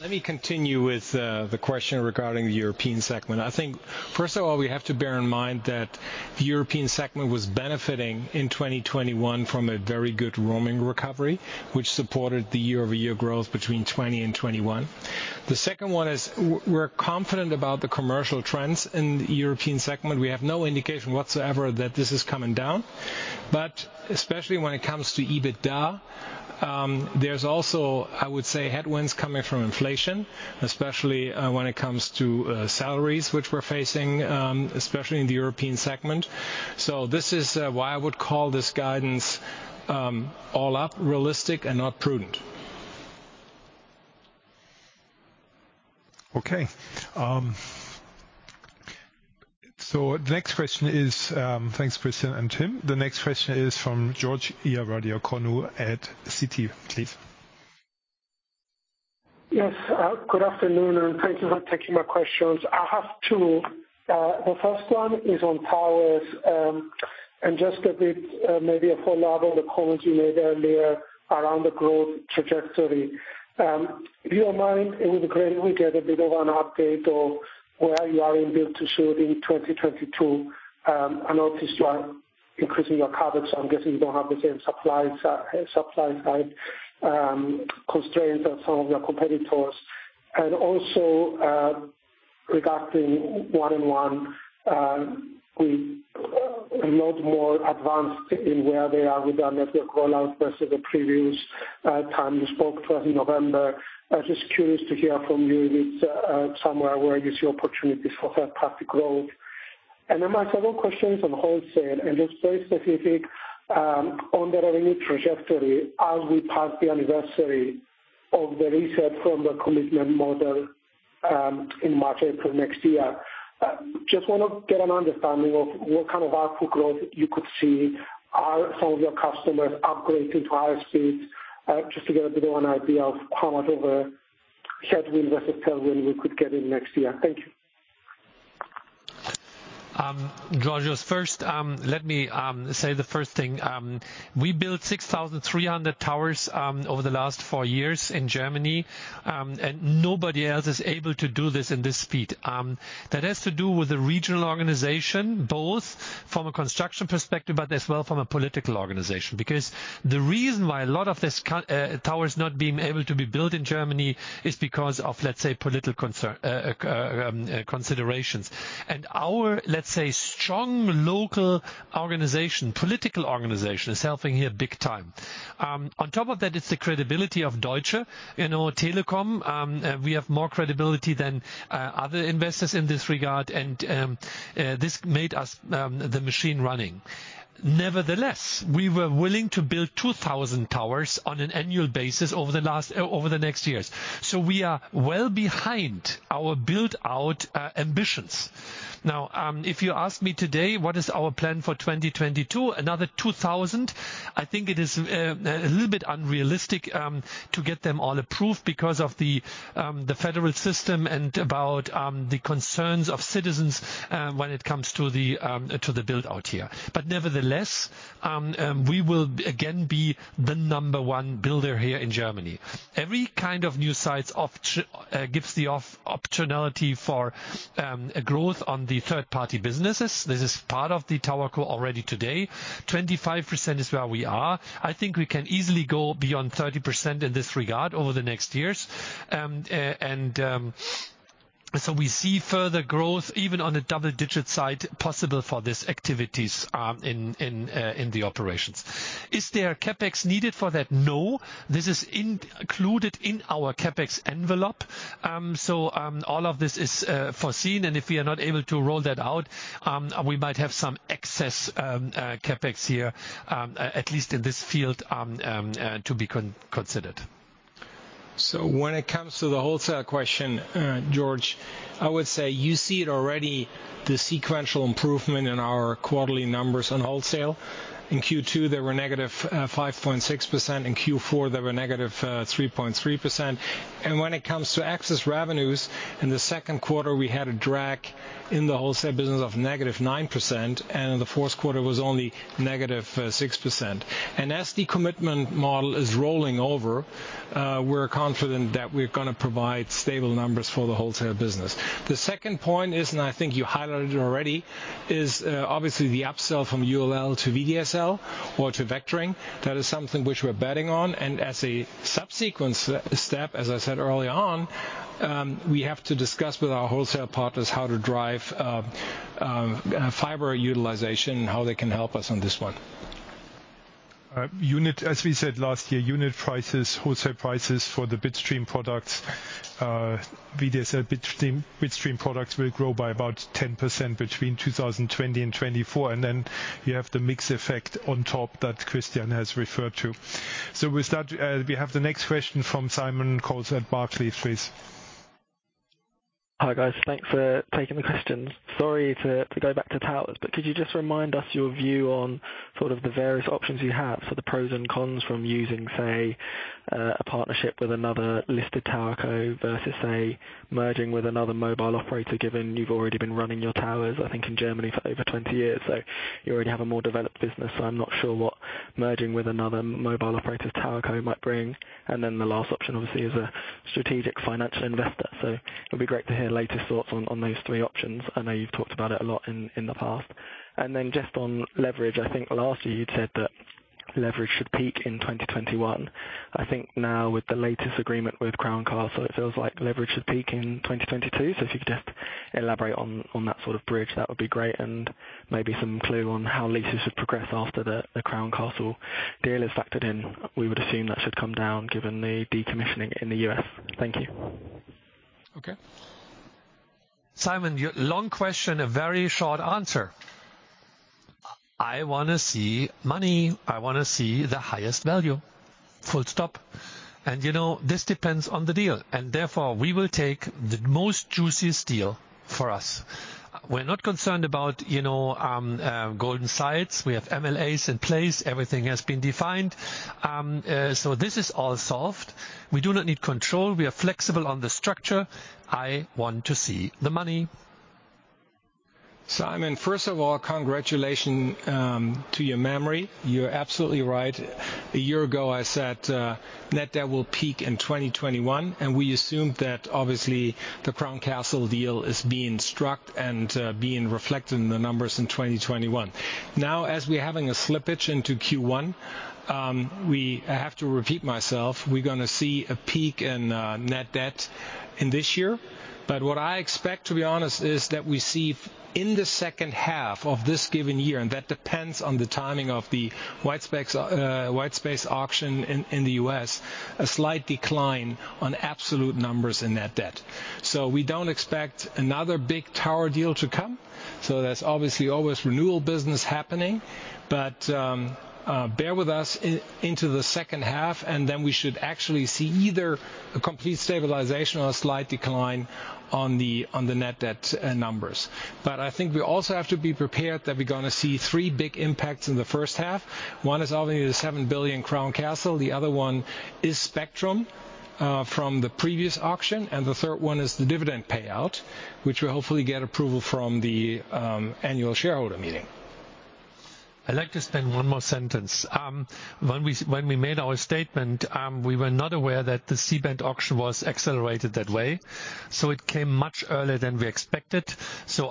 Let me continue with the question regarding the European Segment. I think first of all, we have to bear in mind that the European Segment was benefiting in 2021 from a very good roaming recovery, which supported the year-over-year growth between 2020 and 2021. The second one is we're confident about the commercial trends in the European segment. We have no indication whatsoever that this is coming down. Especially when it comes to EBITDA, there's also, I would say, headwinds coming from inflation, especially when it comes to salaries which we're facing, especially in the European segment. This is why I would call this guidance, all up, realistic and not prudent. Okay. The next question is, thanks Christian and Tim. The next question is from Georgios Ierodiaconou at Citi, please. Yes. Good afternoon, and thank you for taking my questions. I have two. The first one is on towers, and just a bit, maybe a follow-up on the comments you made earlier around the growth trajectory. If you don't mind, it would be great if we get a bit of an update on where you are in build-to-suit in 2022, and obviously you are increasing your coverage. I'm guessing you don't have the same supply-side constraints as some of your competitors. Regarding 1&1, they are a lot more advanced in where they are with their network rollout versus the previous time you spoke to us in November. I was just curious to hear from you if it's somewhere where you see opportunities for third party growth. My second question is on wholesale, and it's very specific, on the revenue trajectory as we pass the anniversary of the reset from the commitment model, in March, April next year. Just wanna get an understanding of what kind of output growth you could see. Are some of your customers upgrading to higher speeds? Just to get a bit of an idea of how much of a headwind versus tailwind we could get in next year. Thank you. Georgios, first, let me say the first thing. We built 6,300 towers over the last four years in Germany, and nobody else is able to do this in this speed. That has to do with the regional organization, both from a construction perspective, but as well from a political organization. Because the reason why a lot of these towers not being able to be built in Germany is because of, let's say, political concern considerations. Our, let's say, strong local organization, political organization is helping here big time. On top of that, it's the credibility of Deutsche Telekom. You know, we have more credibility than other investors in this regard, and this made us the machine running. Nevertheless, we were willing to build 2,000 towers on an annual basis over the last, over the next years. We are well behind our build out ambitions. If you ask me today what is our plan for 2022, another 2,000. I think it is a little bit unrealistic to get them all approved because of the federal system and about the concerns of citizens when it comes to the build out here. Nevertheless, we will again be the number one builder here in Germany. Every kind of new sites gives the opportunity for a growth on the third party businesses. This is part of the TowerCo already today. 25% is where we are. I think we can easily go beyond 30% in this regard over the next years. We see further growth, even on a double-digit side, possible for these activities, in the operations. Is there CapEx needed for that? No. This is included in our CapEx envelope. All of this is foreseen. If we are not able to roll that out, we might have some excess CapEx here, at least in this field, to be considered. When it comes to the wholesale question, George, I would say you see it already, the sequential improvement in our quarterly numbers on wholesale. In Q2, they were negative 5.6%. In Q4, they were negative 3.3%. When it comes to access revenues, in the Q2, we had a drag in the wholesale business of -9%, and in theQ4 was only negative 6%. As the commitment model is rolling over, we're confident that we're gonna provide stable numbers for the wholesale business. The second point is, and I think you highlighted it already, is, obviously the upsell from ULL to VDSL or to vectoring. That is something which we're betting on. As a subsequent step, as I said early on, we have to discuss with our wholesale partners how to drive fiber utilization and how they can help us on this one. As we said last year, unit prices, wholesale prices for the bitstream products, VDSL bitstream products will grow by about 10% between 2020 and 2024. You have the mix effect on top that Christian has referred to. With that, we have the next question from Simon Coles at Barclays, please. Hi, guys. Thanks for taking the questions. Sorry to go back to towers, but could you just remind us your view on sort of the various options you have? The pros and cons from using, say, a partnership with another listed TowerCo versus, say, merging with another mobile operator, given you've already been running your towers, I think, in Germany for over 20 years. You already have a more developed business. I'm not sure what merging with another mobile operator TowerCo might bring. The last option obviously is a strategic financial investor. It'll be great to hear latest thoughts on those three options. I know you've talked about it a lot in the past. Just on leverage, I think last year you'd said that leverage should peak in 2021. I think now with the latest agreement with Crown Castle, it feels like leverage should peak in 2022. If you could just elaborate on that sort of bridge, that would be great. Maybe some clue on how leases should progress after the Crown Castle deal is factored in. We would assume that should come down given the decommissioning in the U.S. Thank you. Okay. Simon, long question, a very short answer. I wanna see money. I wanna see the highest value, full stop. You know, this depends on the deal, and therefore, we will take the most juiciest deal for us. We're not concerned about, you know, golden sites. We have MLAs in place. Everything has been defined. So this is all solved. We do not need control. We are flexible on the structure. I want to see the money. Simon, first of all, congratulations to your memory. You're absolutely right. A year ago, I said net debt will peak in 2021, and we assumed that obviously the Crown Castle deal is being struck and being reflected in the numbers in 2021. Now, as we're having a slippage into Q1, I have to repeat myself, we're gonna see a peak in net debt in this year. But what I expect, to be honest, is that we see in the second half of this given year, and that depends on the timing of the white space auction in the U.S., a slight decline on absolute numbers in net debt. We don't expect another big tower deal to come. There's obviously always renewal business happening. Bear with us into the second half, and then we should actually see either a complete stabilization or a slight decline on the net debt numbers. I think we also have to be prepared that we're gonna see three big impacts in the first half. One is obviously the $7 billion Crown Castle. The other one is spectrum from the previous auction, and the third one is the dividend payout, which will hopefully get approval from the annual shareholder meeting. I'd like to spend one more sentence. When we made our statement, we were not aware that the C-band auction was accelerated that way. It came much earlier than we expected.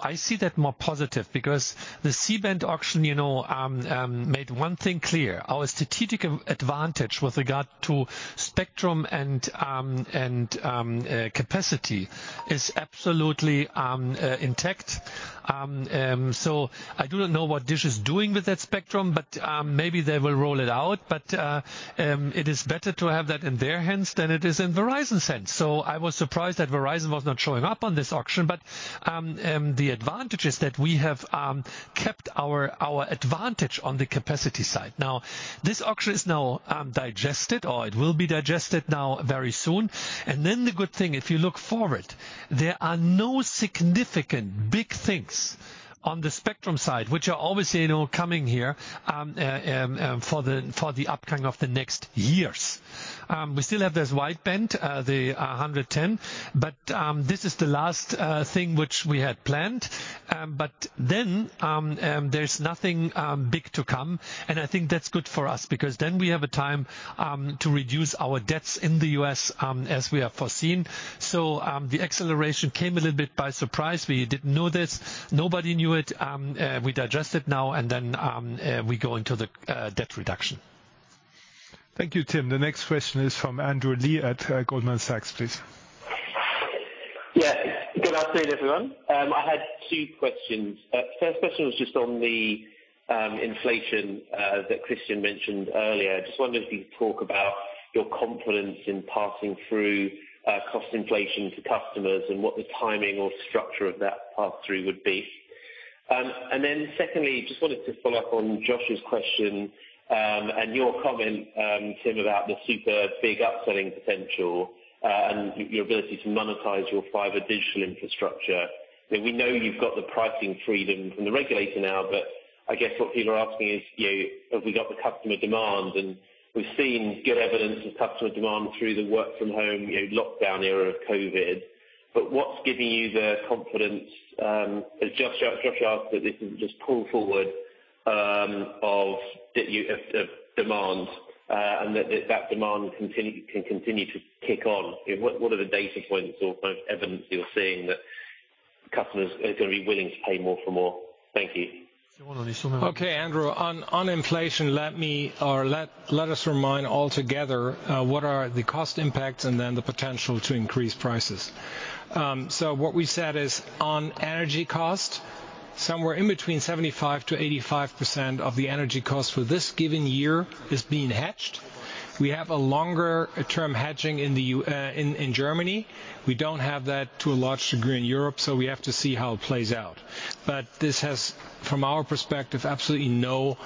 I see that more positive because the C-band auction, you know, made one thing clear. Our strategic advantage with regard to spectrum and capacity is absolutely intact. I do not know what Dish is doing with that spectrum, but maybe they will roll it out. It is better to have that in their hands than it is in Verizon's hands. I was surprised that Verizon was not showing up on this auction. The advantage is that we have kept our advantage on the capacity side. Now, this auction is now digested, or it will be digested now very soon. The good thing, if you look forward, there are no significant big things on the spectrum side which are obviously, you know, coming here for the upcoming of the next years. We still have this wide-band, the 110, but this is the last thing which we had planned. There's nothing big to come, and I think that's good for us because then we have a time to reduce our debts in the U.S., as we have foreseen. The acceleration came a little bit by surprise. We didn't know this. Nobody knew it. We digest it now, and then we go into the debt reduction. Thank you, Tim. The next question is from Andrew Lee at Goldman Sachs, please. Yes. Good afternoon, everyone. I had two questions. First question was just on the inflation that Christian mentioned earlier. Just wondered if you could talk about your confidence in passing through cost inflation to customers and what the timing or structure of that pass-through would be. And then secondly, just wanted to follow up on Josh's question and your comment, Tim, about the super big upselling potential and your ability to monetize your fiber digital infrastructure. You know, we know you've got the pricing freedom from the regulator now, but I guess what people are asking is, you have we got the customer demand? We've seen good evidence of customer demand through the work from home, you know, lockdown era of COVID. What's giving you the confidence, as Josh asked, that this is just pull forward of demand, and that demand can continue to kick on? What are the data points or kind of evidence you're seeing that customers are gonna be willing to pay more for more? Thank you. Okay, Andrew. On inflation, let us remind all together what are the cost impacts and then the potential to increase prices. So what we said is on energy cost, somewhere in between 75%-85% of the energy cost for this given year is being hedged. We have a longer term hedging in Germany. We don't have that to a large degree in Europe, so we have to see how it plays out. This has, from our perspective, absolutely no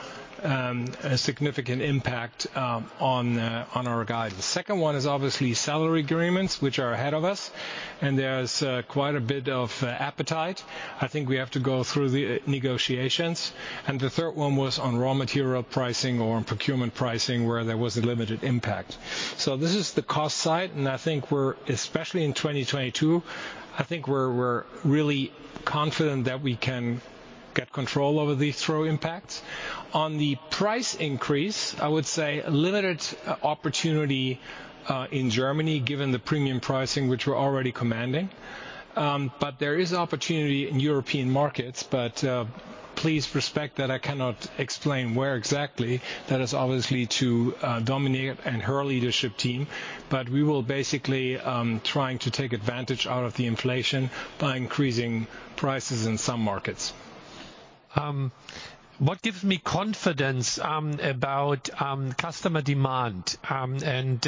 significant impact on our guidance. Second one is obviously salary agreements, which are ahead of us, and there's quite a bit of appetite. I think we have to go through the negotiations. The third one was on raw material pricing or on procurement pricing, where there was a limited impact. This is the cost side, and I think we're especially in 2022 really confident that we can get control over these three impacts. On the price increase, I would say limited opportunity in Germany, given the premium pricing which we're already commanding. But there is opportunity in European markets, please respect that I cannot explain where exactly. That is obviously to Dominique and her leadership team. We will basically trying to take advantage out of the inflation by increasing prices in some markets. What gives me confidence about customer demand and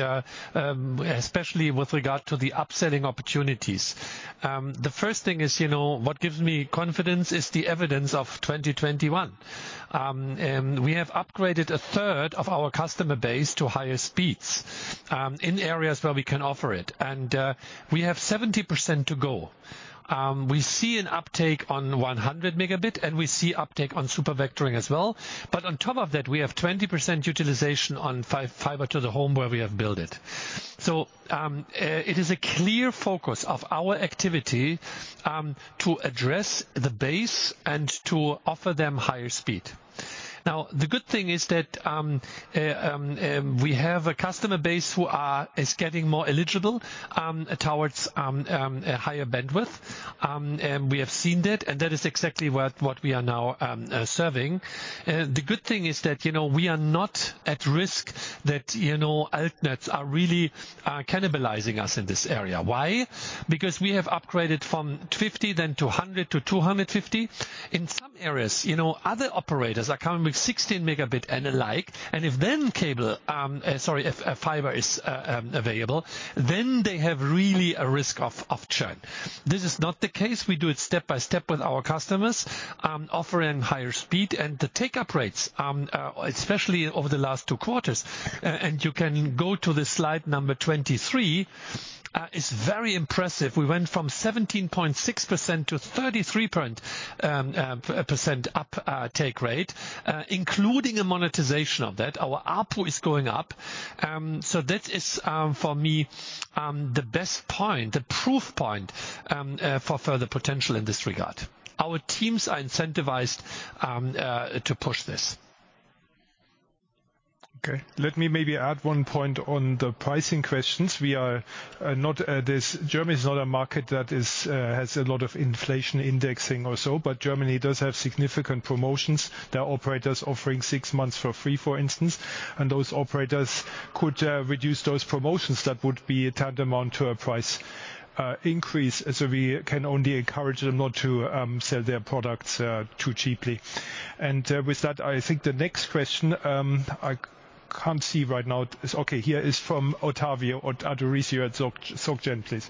especially with regard to the upselling opportunities. The first thing is, you know, what gives me confidence is the evidence of 2021. We have upgraded a third of our customer base to higher speeds in areas where we can offer it. We have 70% to go. We see an uptake on 100 megabit, and we see uptake on Supervectoring as well. On top of that, we have 20% utilization on fiber to the home where we have built it. It is a clear focus of our activity to address the base and to offer them higher speed. Now, the good thing is that we have a customer base that is getting more eligible towards a higher bandwidth, and we have seen that, and that is exactly what we are now serving. The good thing is that, you know, we are not at risk that, you know, Alt-Nets are really cannibalizing us in this area. Why? Because we have upgraded from 50, then to 100-250. In some areas, you know, other operators are coming with 16 megabit and the like, and if fiber is available, then they have really a risk of churn. This is not the case. We do it step by step with our customers, offering higher speed. The take-up rates, especially over the last two quarters, and you can go to the slide number 23, is very impressive. We went from 17.6%-33% up, take rate, including a monetization of that. Our ARPU is going up. That is, for me, the best point, the proof point, for further potential in this regard. Our teams are incentivized to push this. Okay. Let me maybe add one point on the pricing questions. Germany is not a market that has a lot of inflation indexing or so, but Germany does have significant promotions. There are operators offering six months for free, for instance, and those operators could reduce those promotions. That would be tantamount to a price increase. We can only encourage them not to sell their products too cheaply. With that, I think the next question I can't see right now. Okay, here is from Ottavio Adorisio at SocGen, please.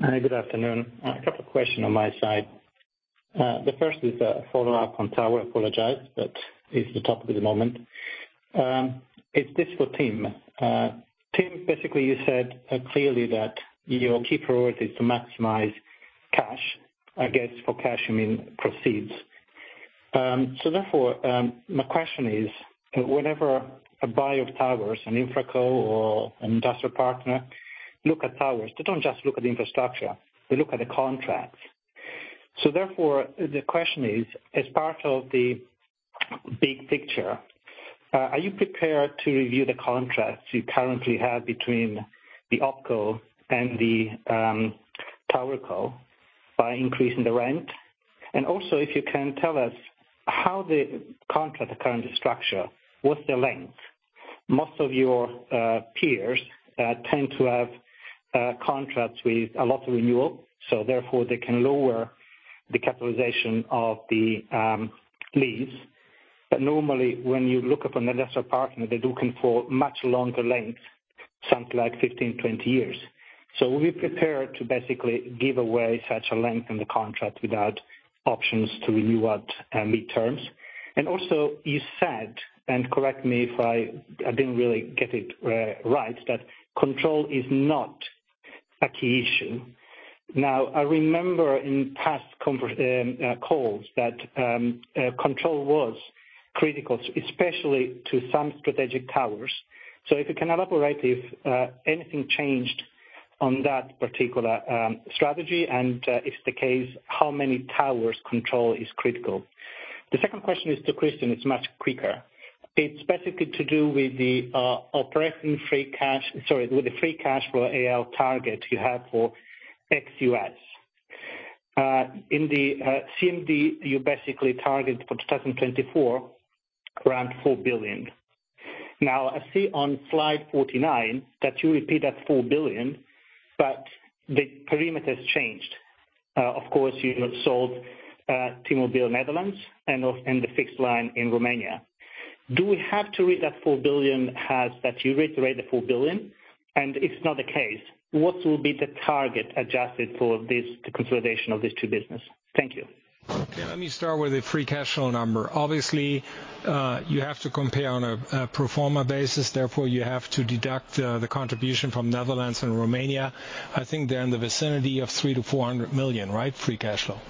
Hi, good afternoon. I have a question on my side. The first is a follow-up on tower. I apologize, but it's the topic of the moment. Is this for Tim? Tim, basically, you said clearly that your key priority is to maximize cash. I guess for cash you mean proceeds. So therefore, my question is, whenever a buyer of towers, an InfraCo or an industrial partner, look at towers, they don't just look at the infrastructure, they look at the contracts. So therefore, the question is, as part of the big picture, are you prepared to review the contracts you currently have between the OpCo and the TowerCo by increasing the rent? And also, if you can tell us how the contract currently structure, what's the length? Most of your peers tend to have contracts with a lot of renewal, so therefore they can lower the capitalization of the lease. Normally, when you look at an investor partner, they're looking for much longer lengths, something like 15, 20 years. Are we prepared to basically give away such a length in the contract without options to renew at mid terms? Also, you said, and correct me if I didn't really get it right, that control is not a key issue. Now, I remember in past calls that control was critical, especially to some strategic towers. If you can elaborate if anything changed on that particular strategy, and if the case, how many towers control is critical? The second question is to Christian. It's much quicker. It's basically to do with the free cash flow AL target you have for ex-US. In the CMD, you basically target for 2024 around 4 billion. Now, I see on slide 49 that you repeat that 4 billion, but the perimeter's changed. Of course, you sold T-Mobile Netherlands and the fixed line in Romania. Do we have to read that 4 billion as that you reiterate the 4 billion? And if not the case, what will be the target adjusted for this, the consolidation of these two business? Thank you. Let me start with the free cash flow number. Obviously, you have to compare on a pro forma basis. Therefore you have to deduct the contribution from Netherlands and Romania. I think they're in the vicinity of 300-400 million, right? Free cash flow.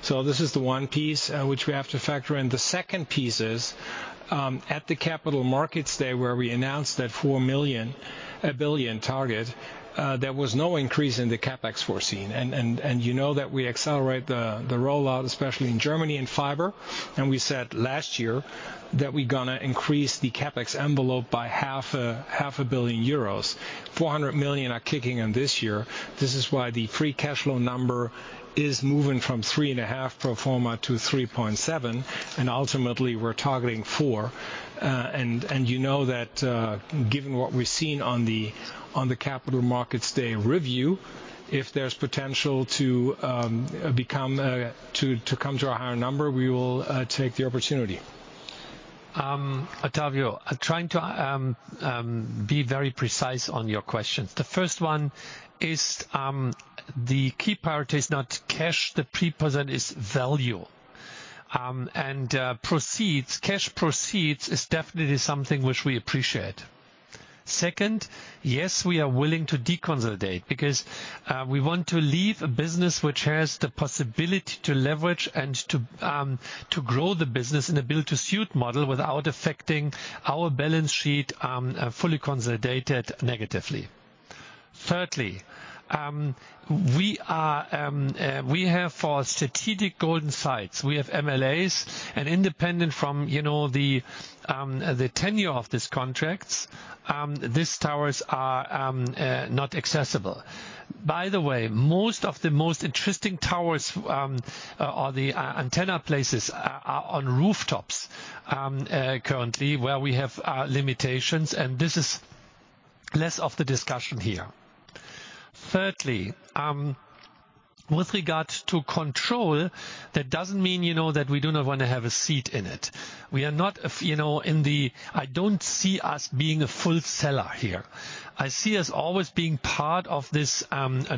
So this is the one piece which we have to factor in. The second piece is at the Capital Markets Day, where we announced that 4 billion target. There was no increase in the CapEx foreseen. You know that we accelerate the rollout, especially in Germany in fiber. We said last year that we're gonna increase the CapEx envelope by half a billion euros. 400 million are kicking in this year. This is why the free cash flow number is moving from 3.5 pro forma to 3.7, and ultimately, we're targeting 4. You know that, given what we've seen on the Capital Markets Day review, if there's potential to come to a higher number, we will take the opportunity. Ottavio, trying to be very precise on your questions. The first one is the key priority is not cash. The position is value. Proceeds, cash proceeds is definitely something which we appreciate. Second, yes, we are willing to deconsolidate because we want to leave a business which has the possibility to leverage and to grow the business in a build-to-suit model without affecting our balance sheet fully consolidated negatively. Thirdly, we have for strategic golden sites, we have MLAs. Independent from the tenure of these contracts, these towers are not accessible. By the way, most of the interesting towers or the antenna places are on rooftops currently where we have limitations and this is less of the discussion here. Thirdly, with regard to control, that doesn't mean, you know, that we do not wanna have a seat in it. We are not, you know. I don't see us being a full seller here. I see us always being part of this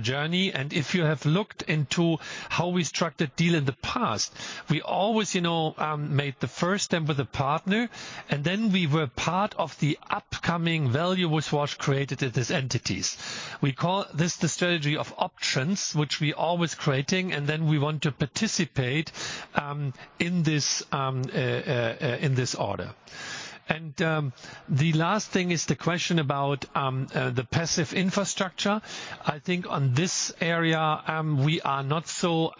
journey. If you have looked into how we struck the deal in the past, we always, you know, made the first step with a partner and then we were part of the upcoming value which was created at these entities. We call this the strategy of options, which we're always creating, and then we want to participate in this order. The last thing is the question about the passive infrastructure. I think on this area, we are not so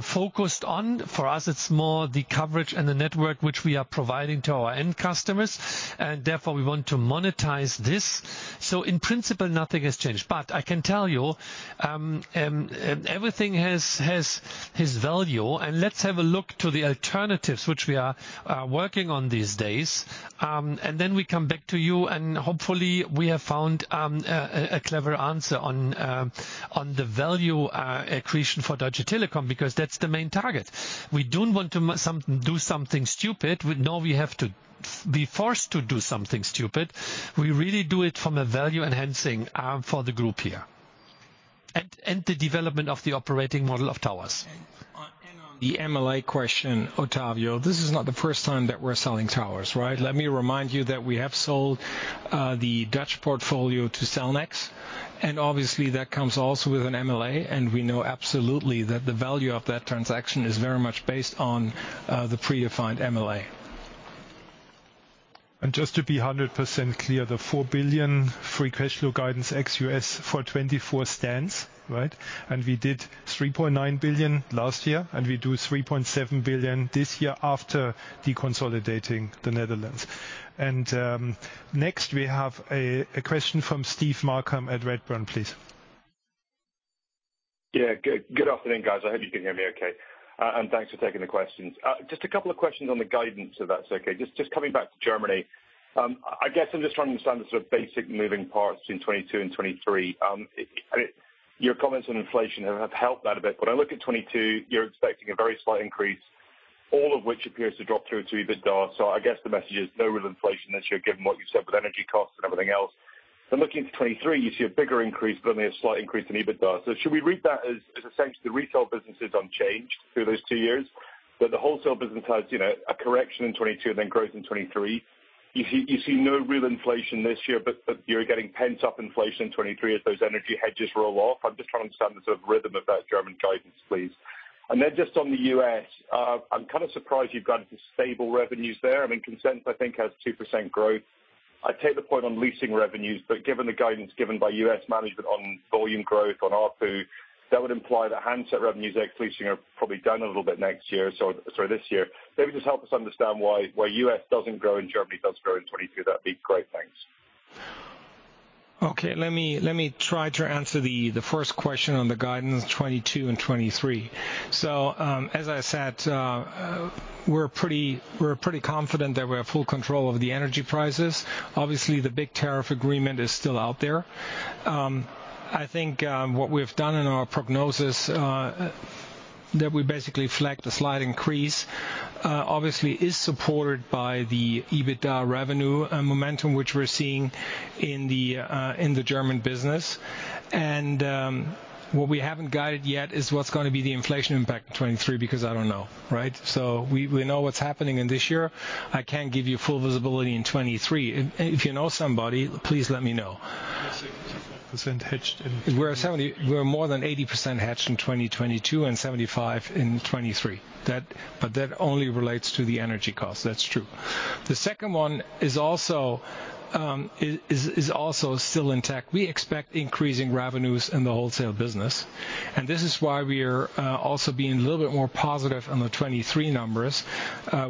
focused on. For us, it's more the coverage and the network which we are providing to our end customers, and therefore we want to monetize this. In principle, nothing has changed. I can tell you, everything has its value. Let's have a look to the alternatives which we are working on these days. Then we come back to you, and hopefully we have found a clever answer on the value accretion for Deutsche Telekom, because that's the main target. We don't want to do something stupid. We know we have to be forced to do something stupid. We really do it from a value enhancing for the group here. The development of the operating model of towers. On the MLA question, Ottavio, this is not the first time that we're selling towers, right? Let me remind you that we have sold the Dutch portfolio to Cellnex, and obviously that comes also with an MLA, and we know absolutely that the value of that transaction is very much based on the predefined MLA. Just to be 100% clear, the 4 billion free cash flow guidance ex US for 2024 stands, right? We did 3.9 billion last year, and we do 3.7 billion this year after deconsolidating the Netherlands. Next we have a question from Stephen Malcolm at Redburn, please. Yeah. Good afternoon, guys. I hope you can hear me okay. Thanks for taking the questions. Just a couple of questions on the guidance, if that's okay. Just coming back to Germany. I guess I'm just trying to understand the sort of basic moving parts in 2022 and 2023. I mean, your comments on inflation have helped that a bit. When I look at 2022, you're expecting a very slight increase, all of which appears to drop through to EBITDA. I guess the message is no real inflation this year, given what you've said with energy costs and everything else. Looking to 2023, you see a bigger increase but only a slight increase in EBITDA. Should we read that as essentially the retail business is unchanged through those two years? That the wholesale business has, you know, a correction in 2022, then growth in 2023? You see no real inflation this year, but you're getting pent-up inflation in 2023 as those energy hedges roll off. I'm just trying to understand the sort of rhythm of that German guidance, please. Then just on the U.S., I'm kinda surprised you've guided to stable revenues there. I mean, Consensus, I think, has 2% growth. I take the point on leasing revenues, but given the guidance given by U.S. management on volume growth on ARPU, that would imply that handset revenues ex leasing are probably down a little bit next year. Sorry, this year. Maybe just help us understand why U.S. doesn't grow and Germany does grow in 2022. That'd be great. Thanks. Okay. Let me try to answer the first question on the guidance 2022 and 2023. As I said, we're pretty confident that we have full control over the energy prices. Obviously, the big tariff agreement is still out there. I think what we've done in our prognosis, that we basically flagged a slight increase, obviously is supported by the EBITDA revenue momentum which we're seeing in the German business. What we haven't guided yet is what's gonna be the inflation impact in 2023, because I don't know, right? We know what's happening in this year. I can't give you full visibility in 2023. If you know somebody, please let me know. We're 65% hedged in- We're more than 80% hedged in 2022 and 75 in 2023. That only relates to the energy cost, that's true. The second one is also still intact. We expect increasing revenues in the wholesale business, and this is why we're also being a little bit more positive on the 2023 numbers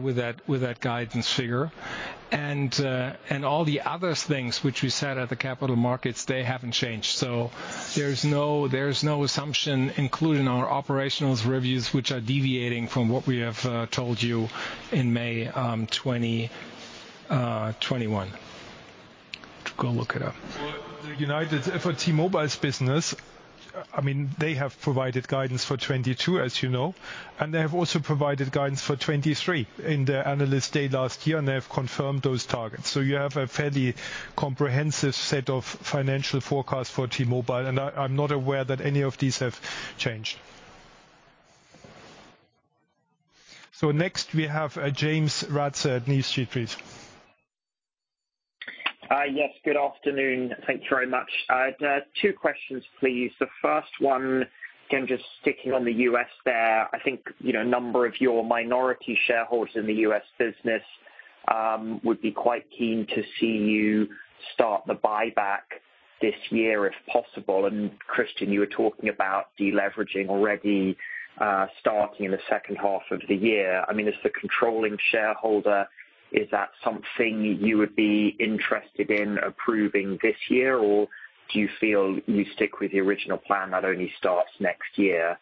with that guidance figure. All the other things which we said at the capital markets haven't changed. There's no assumption, including our operational reviews, which are deviating from what we have told you in May 2021. Go look it up. Well, for T-Mobile's business, I mean, they have provided guidance for 2022, as you know. They have also provided guidance for 2023 in their Analyst Day last year, and they have confirmed those targets. You have a fairly comprehensive set of financial forecasts for T-Mobile, and I'm not aware that any of these have changed. Next we have James Ratzer at New Street, please. Yes. Good afternoon. Thank you very much. Two questions, please. The first one, again, just sticking on the U.S. there. I think, you know, a number of your minority shareholders in the U.S. business would be quite keen to see you The buyback this year, if possible, and Christian, you were talking about deleveraging already starting in the second half of the year. I mean, as the controlling shareholder, is that something you would be interested in approving this year, or do you feel you stick with the original plan that only starts next year?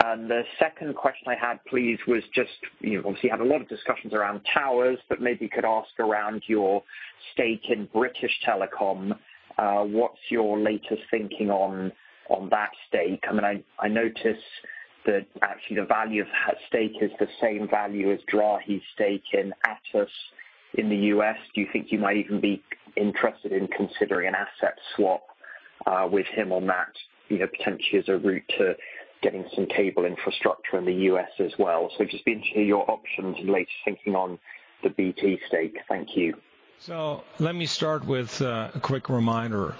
The second question I had, please, was just, you know, obviously you have a lot of discussions around towers, but maybe you could talk about your stake in British Telecom. What's your latest thinking on that stake? I mean, I notice that actually the value of that stake is the same value as Drahi's stake in Altice in the U.S. Do you think you might even be interested in considering an asset swap, with him on that, you know, potentially as a route to getting some cable infrastructure in the U.S. as well? I'd just be interested to hear your options and latest thinking on the BT stake. Thank you. Let me start with a quick reminder.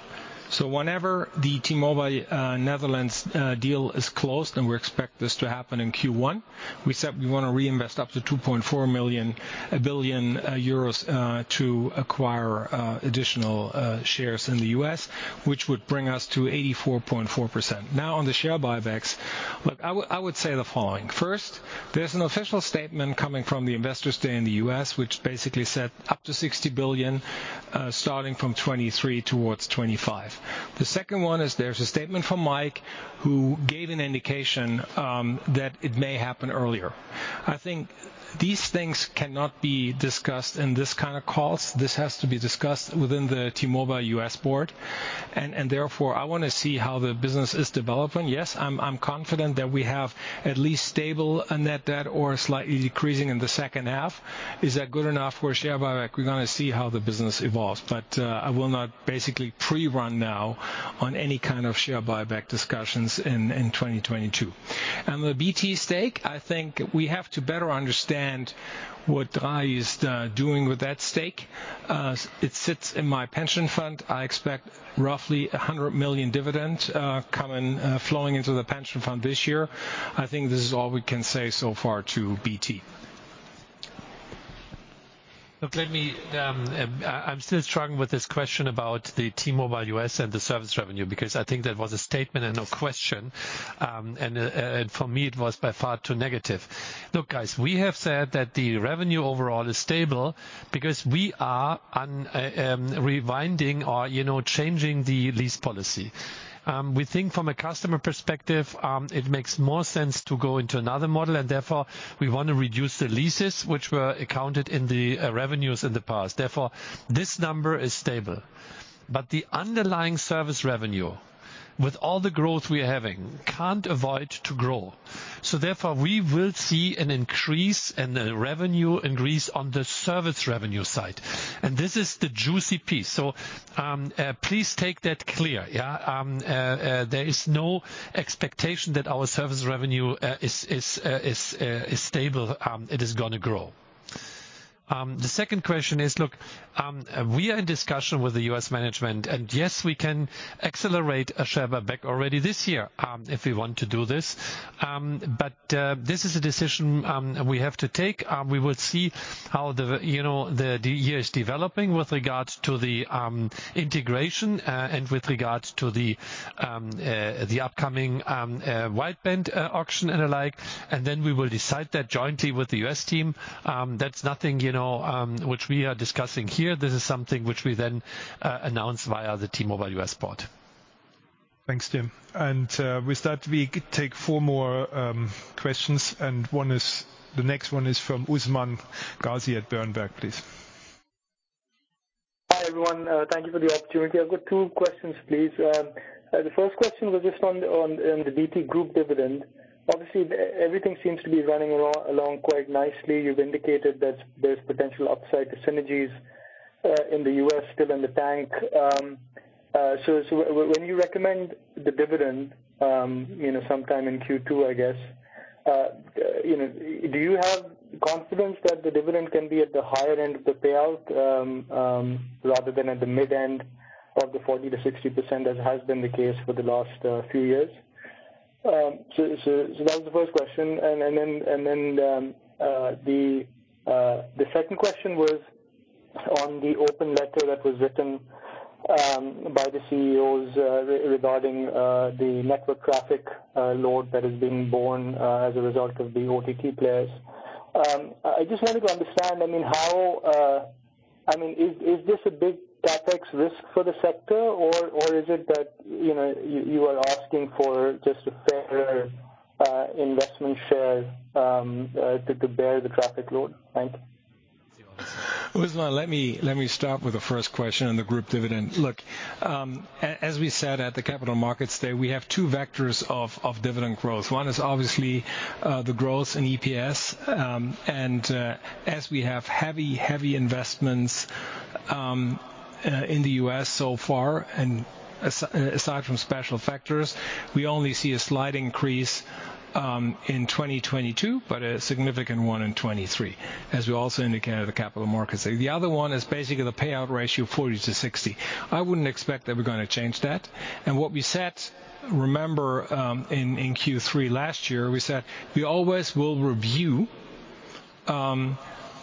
Whenever the T-Mobile Netherlands deal is closed, and we expect this to happen in Q1, we said we wanna reinvest up to 2.4 billion euros to acquire additional shares in the U.S., which would bring us to 84.4%. Now, on the share buybacks, look, I would say the following. First, there's an official statement coming from the investors' day in the U.S., which basically said up to $60 billion starting from 2023 towards 2025. The second one is there's a statement from Mike, who gave an indication that it may happen earlier. I think these things cannot be discussed in this kind of calls. This has to be discussed within the T-Mobile US board, and therefore, I wanna see how the business is developing. Yes, I'm confident that we have at least stable net debt or slightly decreasing in the second half. Is that good enough for a share buyback? We're gonna see how the business evolves. I will not basically pre-run now on any kind of share buyback discussions in 2022. On the BT stake, I think we have to better understand what Drahi is doing with that stake. It sits in my pension fund. I expect roughly 100 million dividend coming, flowing into the pension fund this year. I think this is all we can say so far to BT. Look, I'm still struggling with this question about the T-Mobile US and the service revenue, because I think that was a statement and no question. For me, it was by far too negative. Look, guys, we have said that the revenue overall is stable because we are unwinding or, you know, changing the lease policy. We think from a customer perspective, it makes more sense to go into another model, and therefore, we wanna reduce the leases which were accounted in the revenues in the past. Therefore, this number is stable. The underlying service revenue, with all the growth we are having, can't avoid to grow. Therefore, we will see an increase and the revenue increase on the service revenue side. This is the juicy piece. Please take that clear, yeah. There is no expectation that our service revenue is stable. It is gonna grow. The second question is, look, we are in discussion with the U.S. management, and yes, we can accelerate a share buyback already this year if we want to do this. This is a decision we have to take. We will see how the, you know, the year is developing with regards to the integration and with regards to the upcoming wideband auction and the like. Then we will decide that jointly with the U.S. team. That's nothing, you know, which we are discussing here. This is something which we then announce via the T-Mobile US board. Thanks, Tim. With that, we take four more questions, and one is, the next one is from Usman Ghazi at Berenberg, please. Hi, everyone. Thank you for the opportunity. I've got two questions, please. The first question was just on the DT Group dividend. Obviously, everything seems to be running along quite nicely. You've indicated that there's potential upside to synergies in the U.S. still in the bank. When you recommend the dividend, you know, sometime in Q2, I guess, you know, do you have confidence that the dividend can be at the higher end of the payout rather than at the mid-end of the 40%-60%, as has been the case for the last few years? That was the first question. The second question was on the open letter that was written by the CEOs regarding the network traffic load that is being borne as a result of the OTT players. I just wanted to understand, I mean, how. I mean, is this a big CapEx risk for the sector, or is it that, you know, you are asking for just a fairer investment share to bear the traffic load? Thank you. Usman Ghazi, let me start with the first question on the group dividend. Look, as we said at the Capital Markets Day, we have two vectors of dividend growth. One is obviously the growth in EPS, and as we have heavy investments in the U.S. so far, and aside from special factors, we only see a slight increase in 2022, but a significant one in 2023, as we also indicated at the Capital Markets Day. The other one is basically the payout ratio, 40%-60%. I wouldn't expect that we're gonna change that. What we said, remember, in Q3 last year, we said we always will review,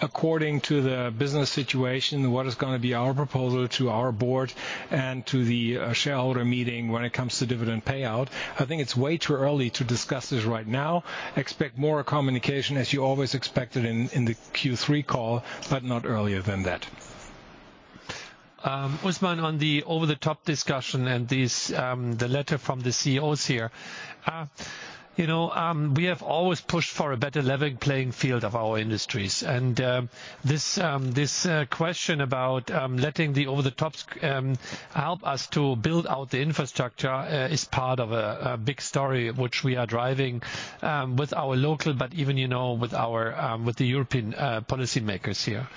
according to the business situation, what is gonna be our proposal to our board and to the shareholder meeting when it comes to dividend payout. I think it's way too early to discuss this right now. Expect more communication, as you always expected, in the Q3 call, but not earlier than that. Usman, on the over-the-top discussion and the letter from the CEOs here. You know, we have always pushed for a better level playing field of our industries. This question about letting the over-the-tops help us to build out the infrastructure is part of a big story which we are driving with our local, but even, you know, with the European policymakers here.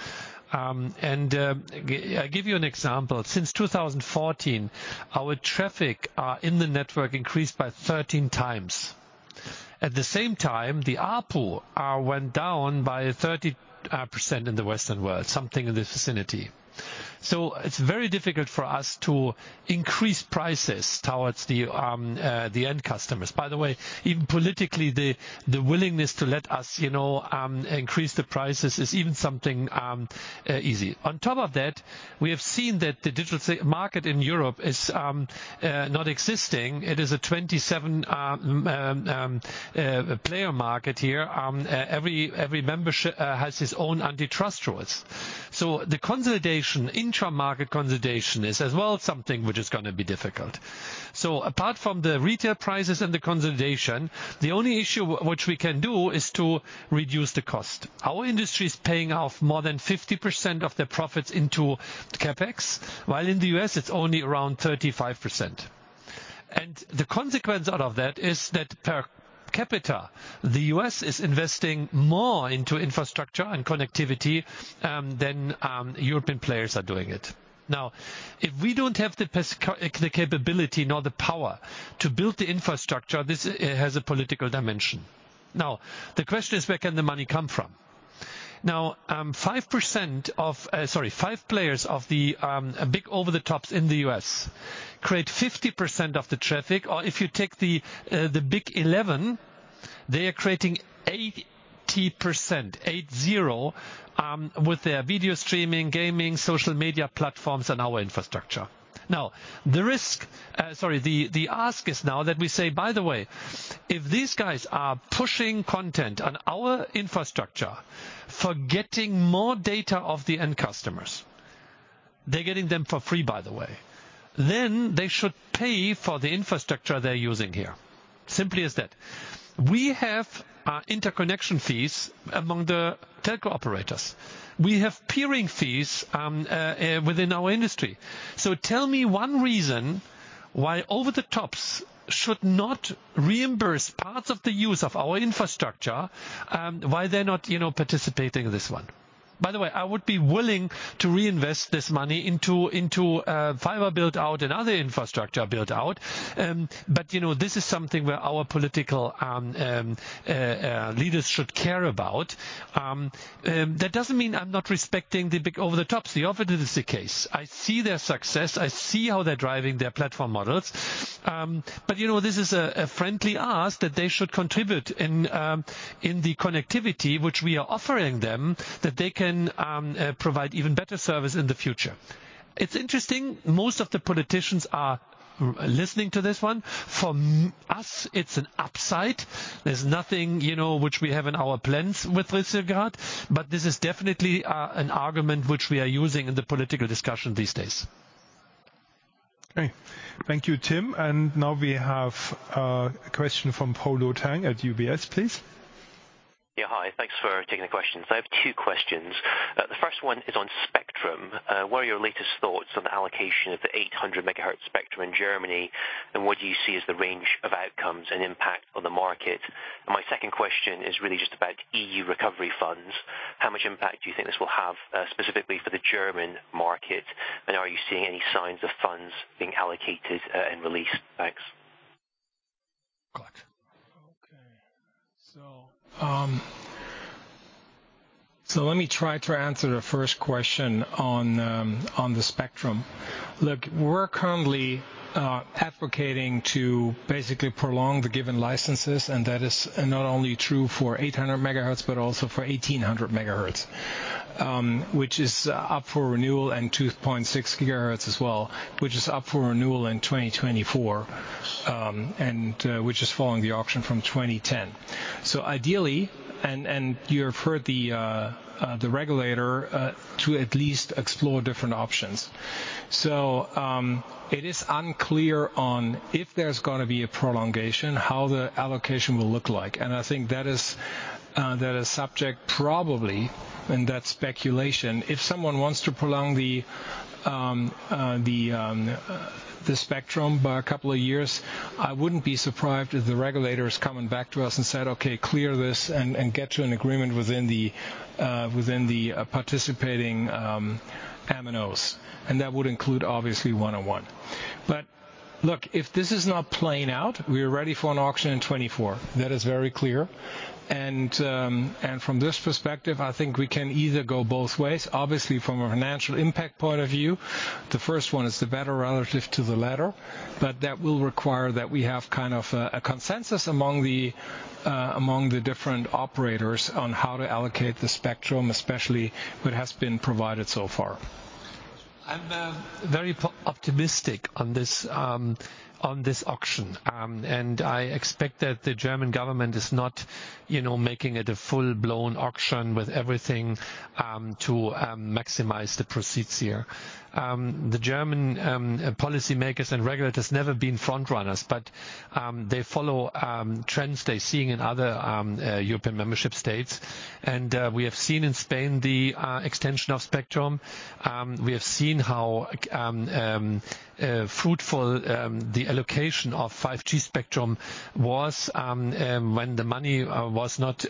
I give you an example. Since 2014, our traffic in the network increased by 13 times. At the same time, the ARPU went down by 30% in the Western world, something in this vicinity. It's very difficult for us to increase prices towards the end customers. By the way, even politically, the willingness to let us, you know, increase the prices is even something easy. On top of that, we have seen that the digital market in Europe is not existing. It is a 27-player market here. Every membership has its own antitrust rules. The consolidation, intra-market consolidation, is as well something which is gonna be difficult. Apart from the retail prices and the consolidation, the only issue which we can do is to reduce the cost. Our industry is paying off more than 50% of their profits into CapEx, while in the U.S., it's only around 35%. The consequence out of that is that per capita, the U.S. is investing more into infrastructure and connectivity than European players are doing it. Now, if we don't have the capability nor the power to build the infrastructure, this, it has a political dimension. Now, the question is, where can the money come from? Now, five players of the big over-the-tops in the U.S. create 50% of the traffic. Or if you take the big 11, they are creating 80% with their video streaming, gaming, social media platforms on our infrastructure. Now, the ask is now that we say, "By the way, if these guys are pushing content on our infrastructure for getting more data of the end customers," they're getting them for free, by the way, "then they should pay for the infrastructure they're using here." Simply as that. We have interconnection fees among the telco operators. We have peering fees within our industry. Tell me one reason why over-the-tops should not reimburse parts of the use of our infrastructure, why they're not, you know, participating in this one. By the way, I would be willing to reinvest this money into fiber build-out and other infrastructure build-out. You know, this is something where our political leaders should care about. That doesn't mean I'm not respecting the big over-the-tops. The opposite is the case. I see their success. I see how they're driving their platform models. You know, this is a friendly ask that they should contribute in the connectivity which we are offering them, that they can provide even better service in the future. It's interesting, most of the politicians are listening to this one. For us, it's an upside. There's nothing, you know, which we have in our plans with regard, but this is definitely an argument which we are using in the political discussion these days. Okay. Thank you, Tim. Now we have a question from Polo Tang at UBS, please. Yeah. Hi. Thanks for taking the questions. I have two questions. The first one is on spectrum. What are your latest thoughts on the allocation of the 800 MHz spectrum in Germany, and what do you see as the range of outcomes and impact on the market? My second question is really just about EU recovery funds. How much impact do you think this will have, specifically for the German market, and are you seeing any signs of funds being allocated, and released? Thanks. Collect. Let me try to answer the first question on the spectrum. Look, we're currently advocating to basically prolong the given licenses, and that is not only true for 800 MHz, but also for 1800 MHz, which is up for renewal, and 2.6 GHz as well, which is up for renewal in 2024, and which is following the auction from 2010. Ideally, you've heard the regulator to at least explore different options. It is unclear on if there's gonna be a prolongation, how the allocation will look like. I think that is subject probably, and that's speculation. If someone wants to prolong the spectrum by a couple of years, I wouldn't be surprised if the regulator is coming back to us and said, "Okay, clear this and get to an agreement within the participating MNOs." That would include, obviously, 1&1. But look, if this is not playing out, we are ready for an auction in 2024. That is very clear. From this perspective, I think we can either go both ways. Obviously, from a financial impact point of view, the first one is the better relative to the latter, but that will require that we have kind of a consensus among the different operators on how to allocate the spectrum, especially what has been provided so far. I'm very optimistic on this auction. I expect that the German government is not, you know, making it a full-blown auction with everything to maximize the proceeds here. The German policy makers and regulators never been front-runners, but they follow trends they're seeing in other European member states. We have seen in Spain the extension of spectrum. We have seen how fruitful the allocation of 5G spectrum was when the money was not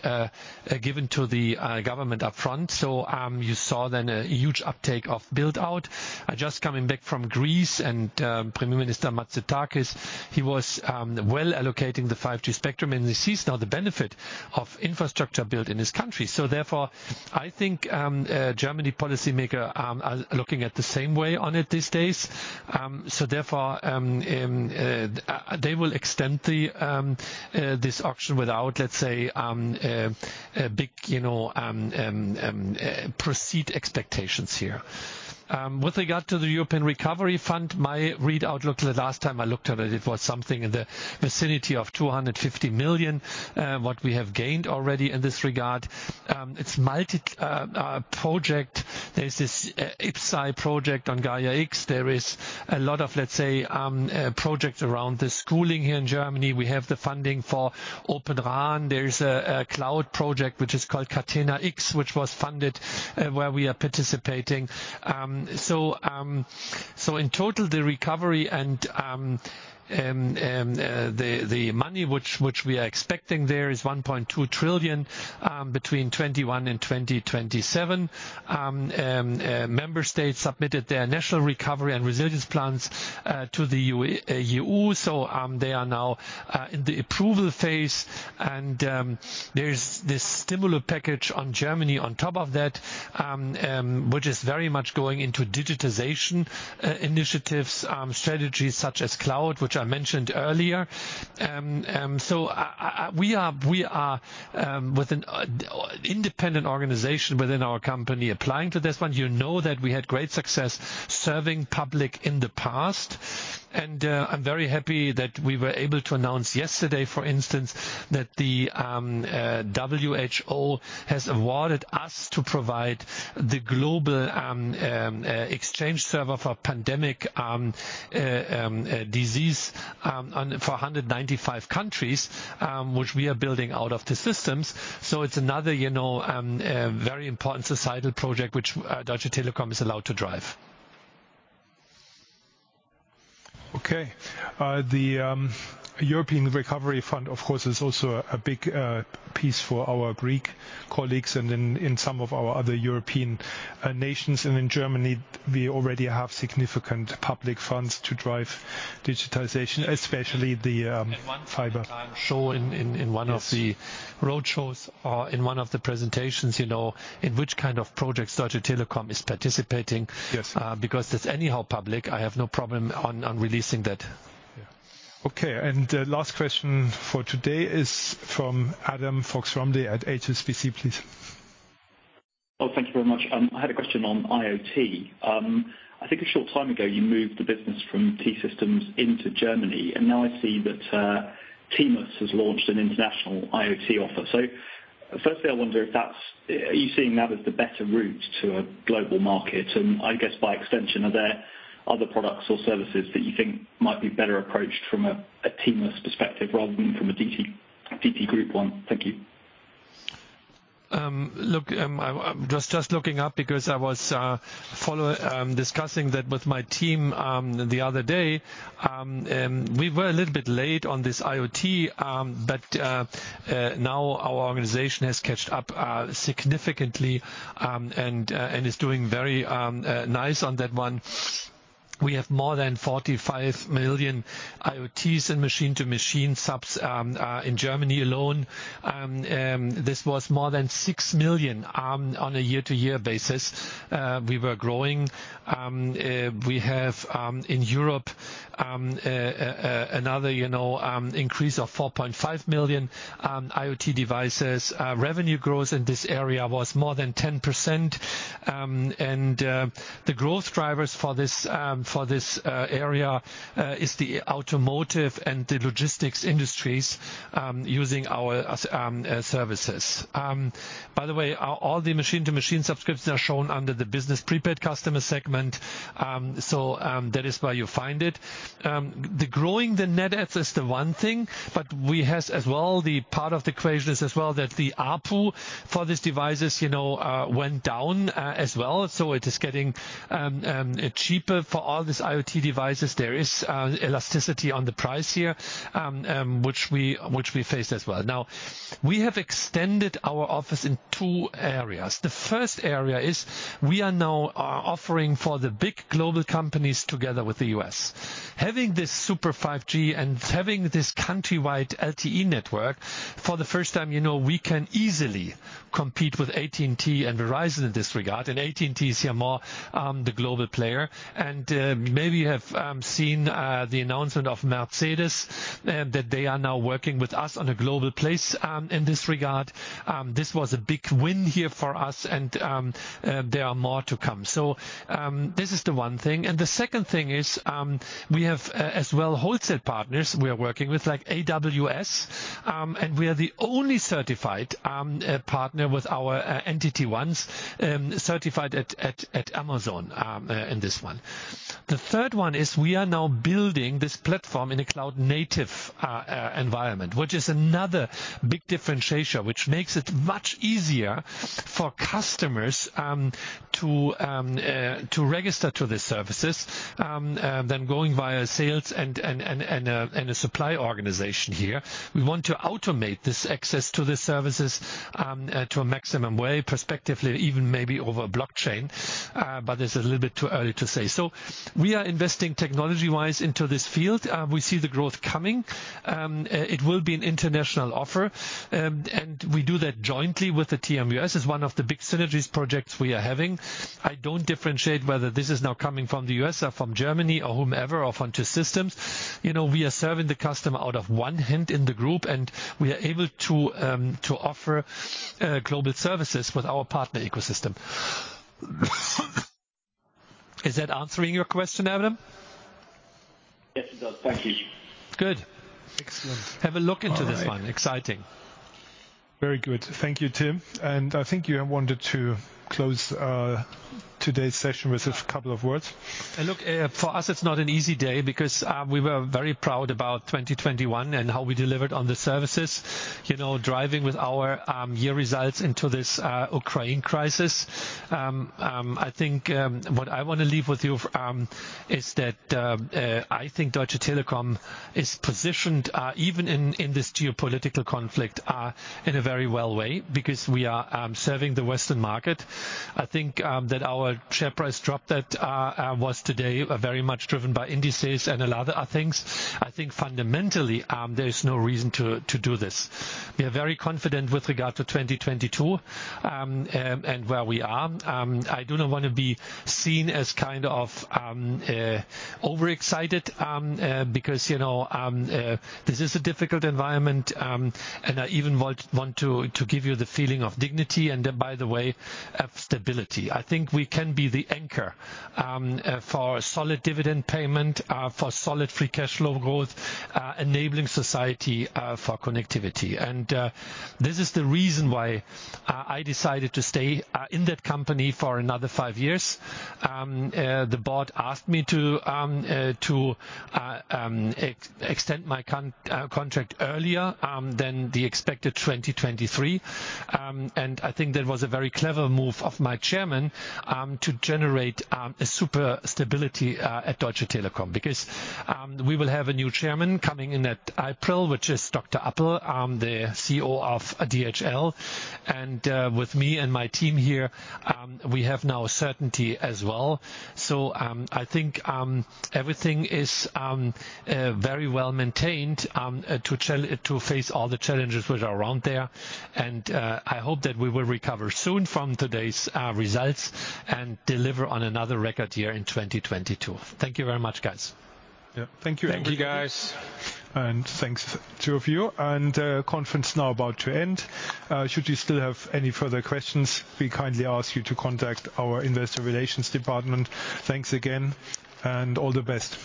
given to the government upfront. You saw then a huge uptake of build-out. I just coming back from Greece and Prime Minister Mitsotakis, he was well allocating the 5G spectrum, and he sees now the benefit of infrastructure built in his country. I think German policymakers are looking at it the same way these days. They will extend this auction without, let's say, proceeds expectations here. With regard to the European recovery fund, my read on the outlook the last time I looked at it was something in the vicinity of 250 million what we have gained already in this regard. It's multiple projects. There's this IPCEI project on Gaia-X. There is a lot of, let's say, projects around the schools here in Germany. We have the funding for Open RAN. There is a cloud project, which is called Catena-X, which was funded, where we are participating. In total, the recovery and the money which we are expecting there is 1.2 trillion between 2021 and 2027. Member states submitted their national recovery and resilience plans to the EU. They are now in the approval phase. There is this stimulus package in Germany on top of that, which is very much going into digitization initiatives, strategies such as cloud, which I mentioned earlier. We are with an independent organization within our company applying to this one. You know that we had great success serving public in the past. I'm very happy that we were able to announce yesterday, for instance, that the WHO has awarded us to provide the global exchange server for pandemic disease on for 195 countries, which we are building out of the systems. It's another, you know, very important societal project which Deutsche Telekom is allowed to drive. Okay. The European Recovery Fund, of course, is also a big piece for our Greek colleagues and in some of our other European nations. In Germany, we already have significant public funds to drive digitization, especially the fiber. At one point I'll show in one of the road shows or in one of the presentations, you know, in which kind of projects Deutsche Telekom is participating. Yes. Because it's anyhow public. I have no problem on releasing that. Okay. Last question for today is from Adam Fox-Rumley at HSBC, please. Thank you very much. I had a question on IoT. I think a short time ago you moved the business from T-Systems into Germany, and now I see that T-Mobile US has launched an international IoT offer. Firstly, I wonder if you are seeing that as the better route to a global market? And I guess by extension, are there other products or services that you think might be better approached from a T-Mobile US perspective rather than from a DT group one? Thank you. Look, I'm just looking up because I was discussing that with my team the other day. We were a little bit late on this IoT, but now our organization has caught up significantly, and is doing very nice on that one. We have more than 45 million IoTs and machine-to-machine subs in Germany alone. This was more than 6 million on a year-over-year basis. We were growing. We have in Europe another, you know, increase of 4.5 million IoT devices. Revenue growth in this area was more than 10%. The growth drivers for this area are the automotive and the logistics industries using our services. By the way, all the machine-to-machine subscriptions are shown under the business prepaid customer segment. That is where you find it. The growing net adds is the one thing, but we has as well the part of the equation is as well that the ARPU for these devices, you know, went down as well. It is getting cheaper for all these IoT devices. There is elasticity on the price here, which we faced as well. Now, we have extended our offer in two areas. The first area is we are now offering for the big global companies together with AWS. Having this super 5G and having this countrywide LTE network, for the first time, you know, we can easily compete with AT&T and Verizon in this regard. AT&T is here more the global player. Maybe you have seen the announcement of Mercedes that they are now working with us on a global place in this regard. This was a big win here for us and there are more to come. This is the one thing. The second thing is, we have as well wholesale partners we are working with, like AWS, and we are the only certified partner with our 1NCE, certified at Amazon in this one. The third one is we are now building this platform in a cloud native environment, which is another big differentiator, which makes it much easier for customers to register to the services than going via sales and a supply organization here. We want to automate this access to the services to a maximum way, prospectively even maybe over blockchain. But it's a little bit too early to say. We are investing technology-wise into this field. We see the growth coming. It will be an international offer. We do that jointly with the TMUS. It's one of the big synergies projects we are having. I don't differentiate whether this is now coming from the U.S. or from Germany or whomever or from T-Systems. You know, we are serving the customer out of one hand in the group, and we are able to offer global services with our partner ecosystem. Is that answering your question, Adam? Yes, it does. Thank you. Good. Excellent. Have a look into this one. Exciting. Very good. Thank you, Tim. I think you had wanted to close today's session with a couple of words. Look, for us it's not an easy day because we were very proud about 2021 and how we delivered on the services. You know, driving with our year results into this Ukraine crisis. I think what I wanna leave with you is that I think Deutsche Telekom is positioned even in this geopolitical conflict in a very well way because we are serving the Western market. I think that our share price drop that was today very much driven by indices and a lot other things. I think fundamentally there is no reason to do this. We are very confident with regard to 2022 and where we are. I do not wanna be seen as kind of overexcited, because, you know, this is a difficult environment, and I even want to give you the feeling of dignity and by the way, of stability. I think we can be the anchor for solid dividend payment for solid free cash flow growth enabling society for connectivity. This is the reason why I decided to stay in that company for another five years. The board asked me to extend my contract earlier than the expected 2023. I think that was a very clever move of my chairman to generate a super stability at Deutsche Telekom. Because we will have a new chairman coming in in April, which is Frank Appel, the CEO of DHL. With me and my team here, we have now certainty as well. I think everything is very well maintained to face all the challenges which are around there. I hope that we will recover soon from today's results and deliver on another record year in 2022. Thank you very much, guys. Yeah. Thank you. Thank you, guys. Thanks to the two of you. Conference now about to end. Should you still have any further questions, we kindly ask you to contact our investor relations department. Thanks again and all the best.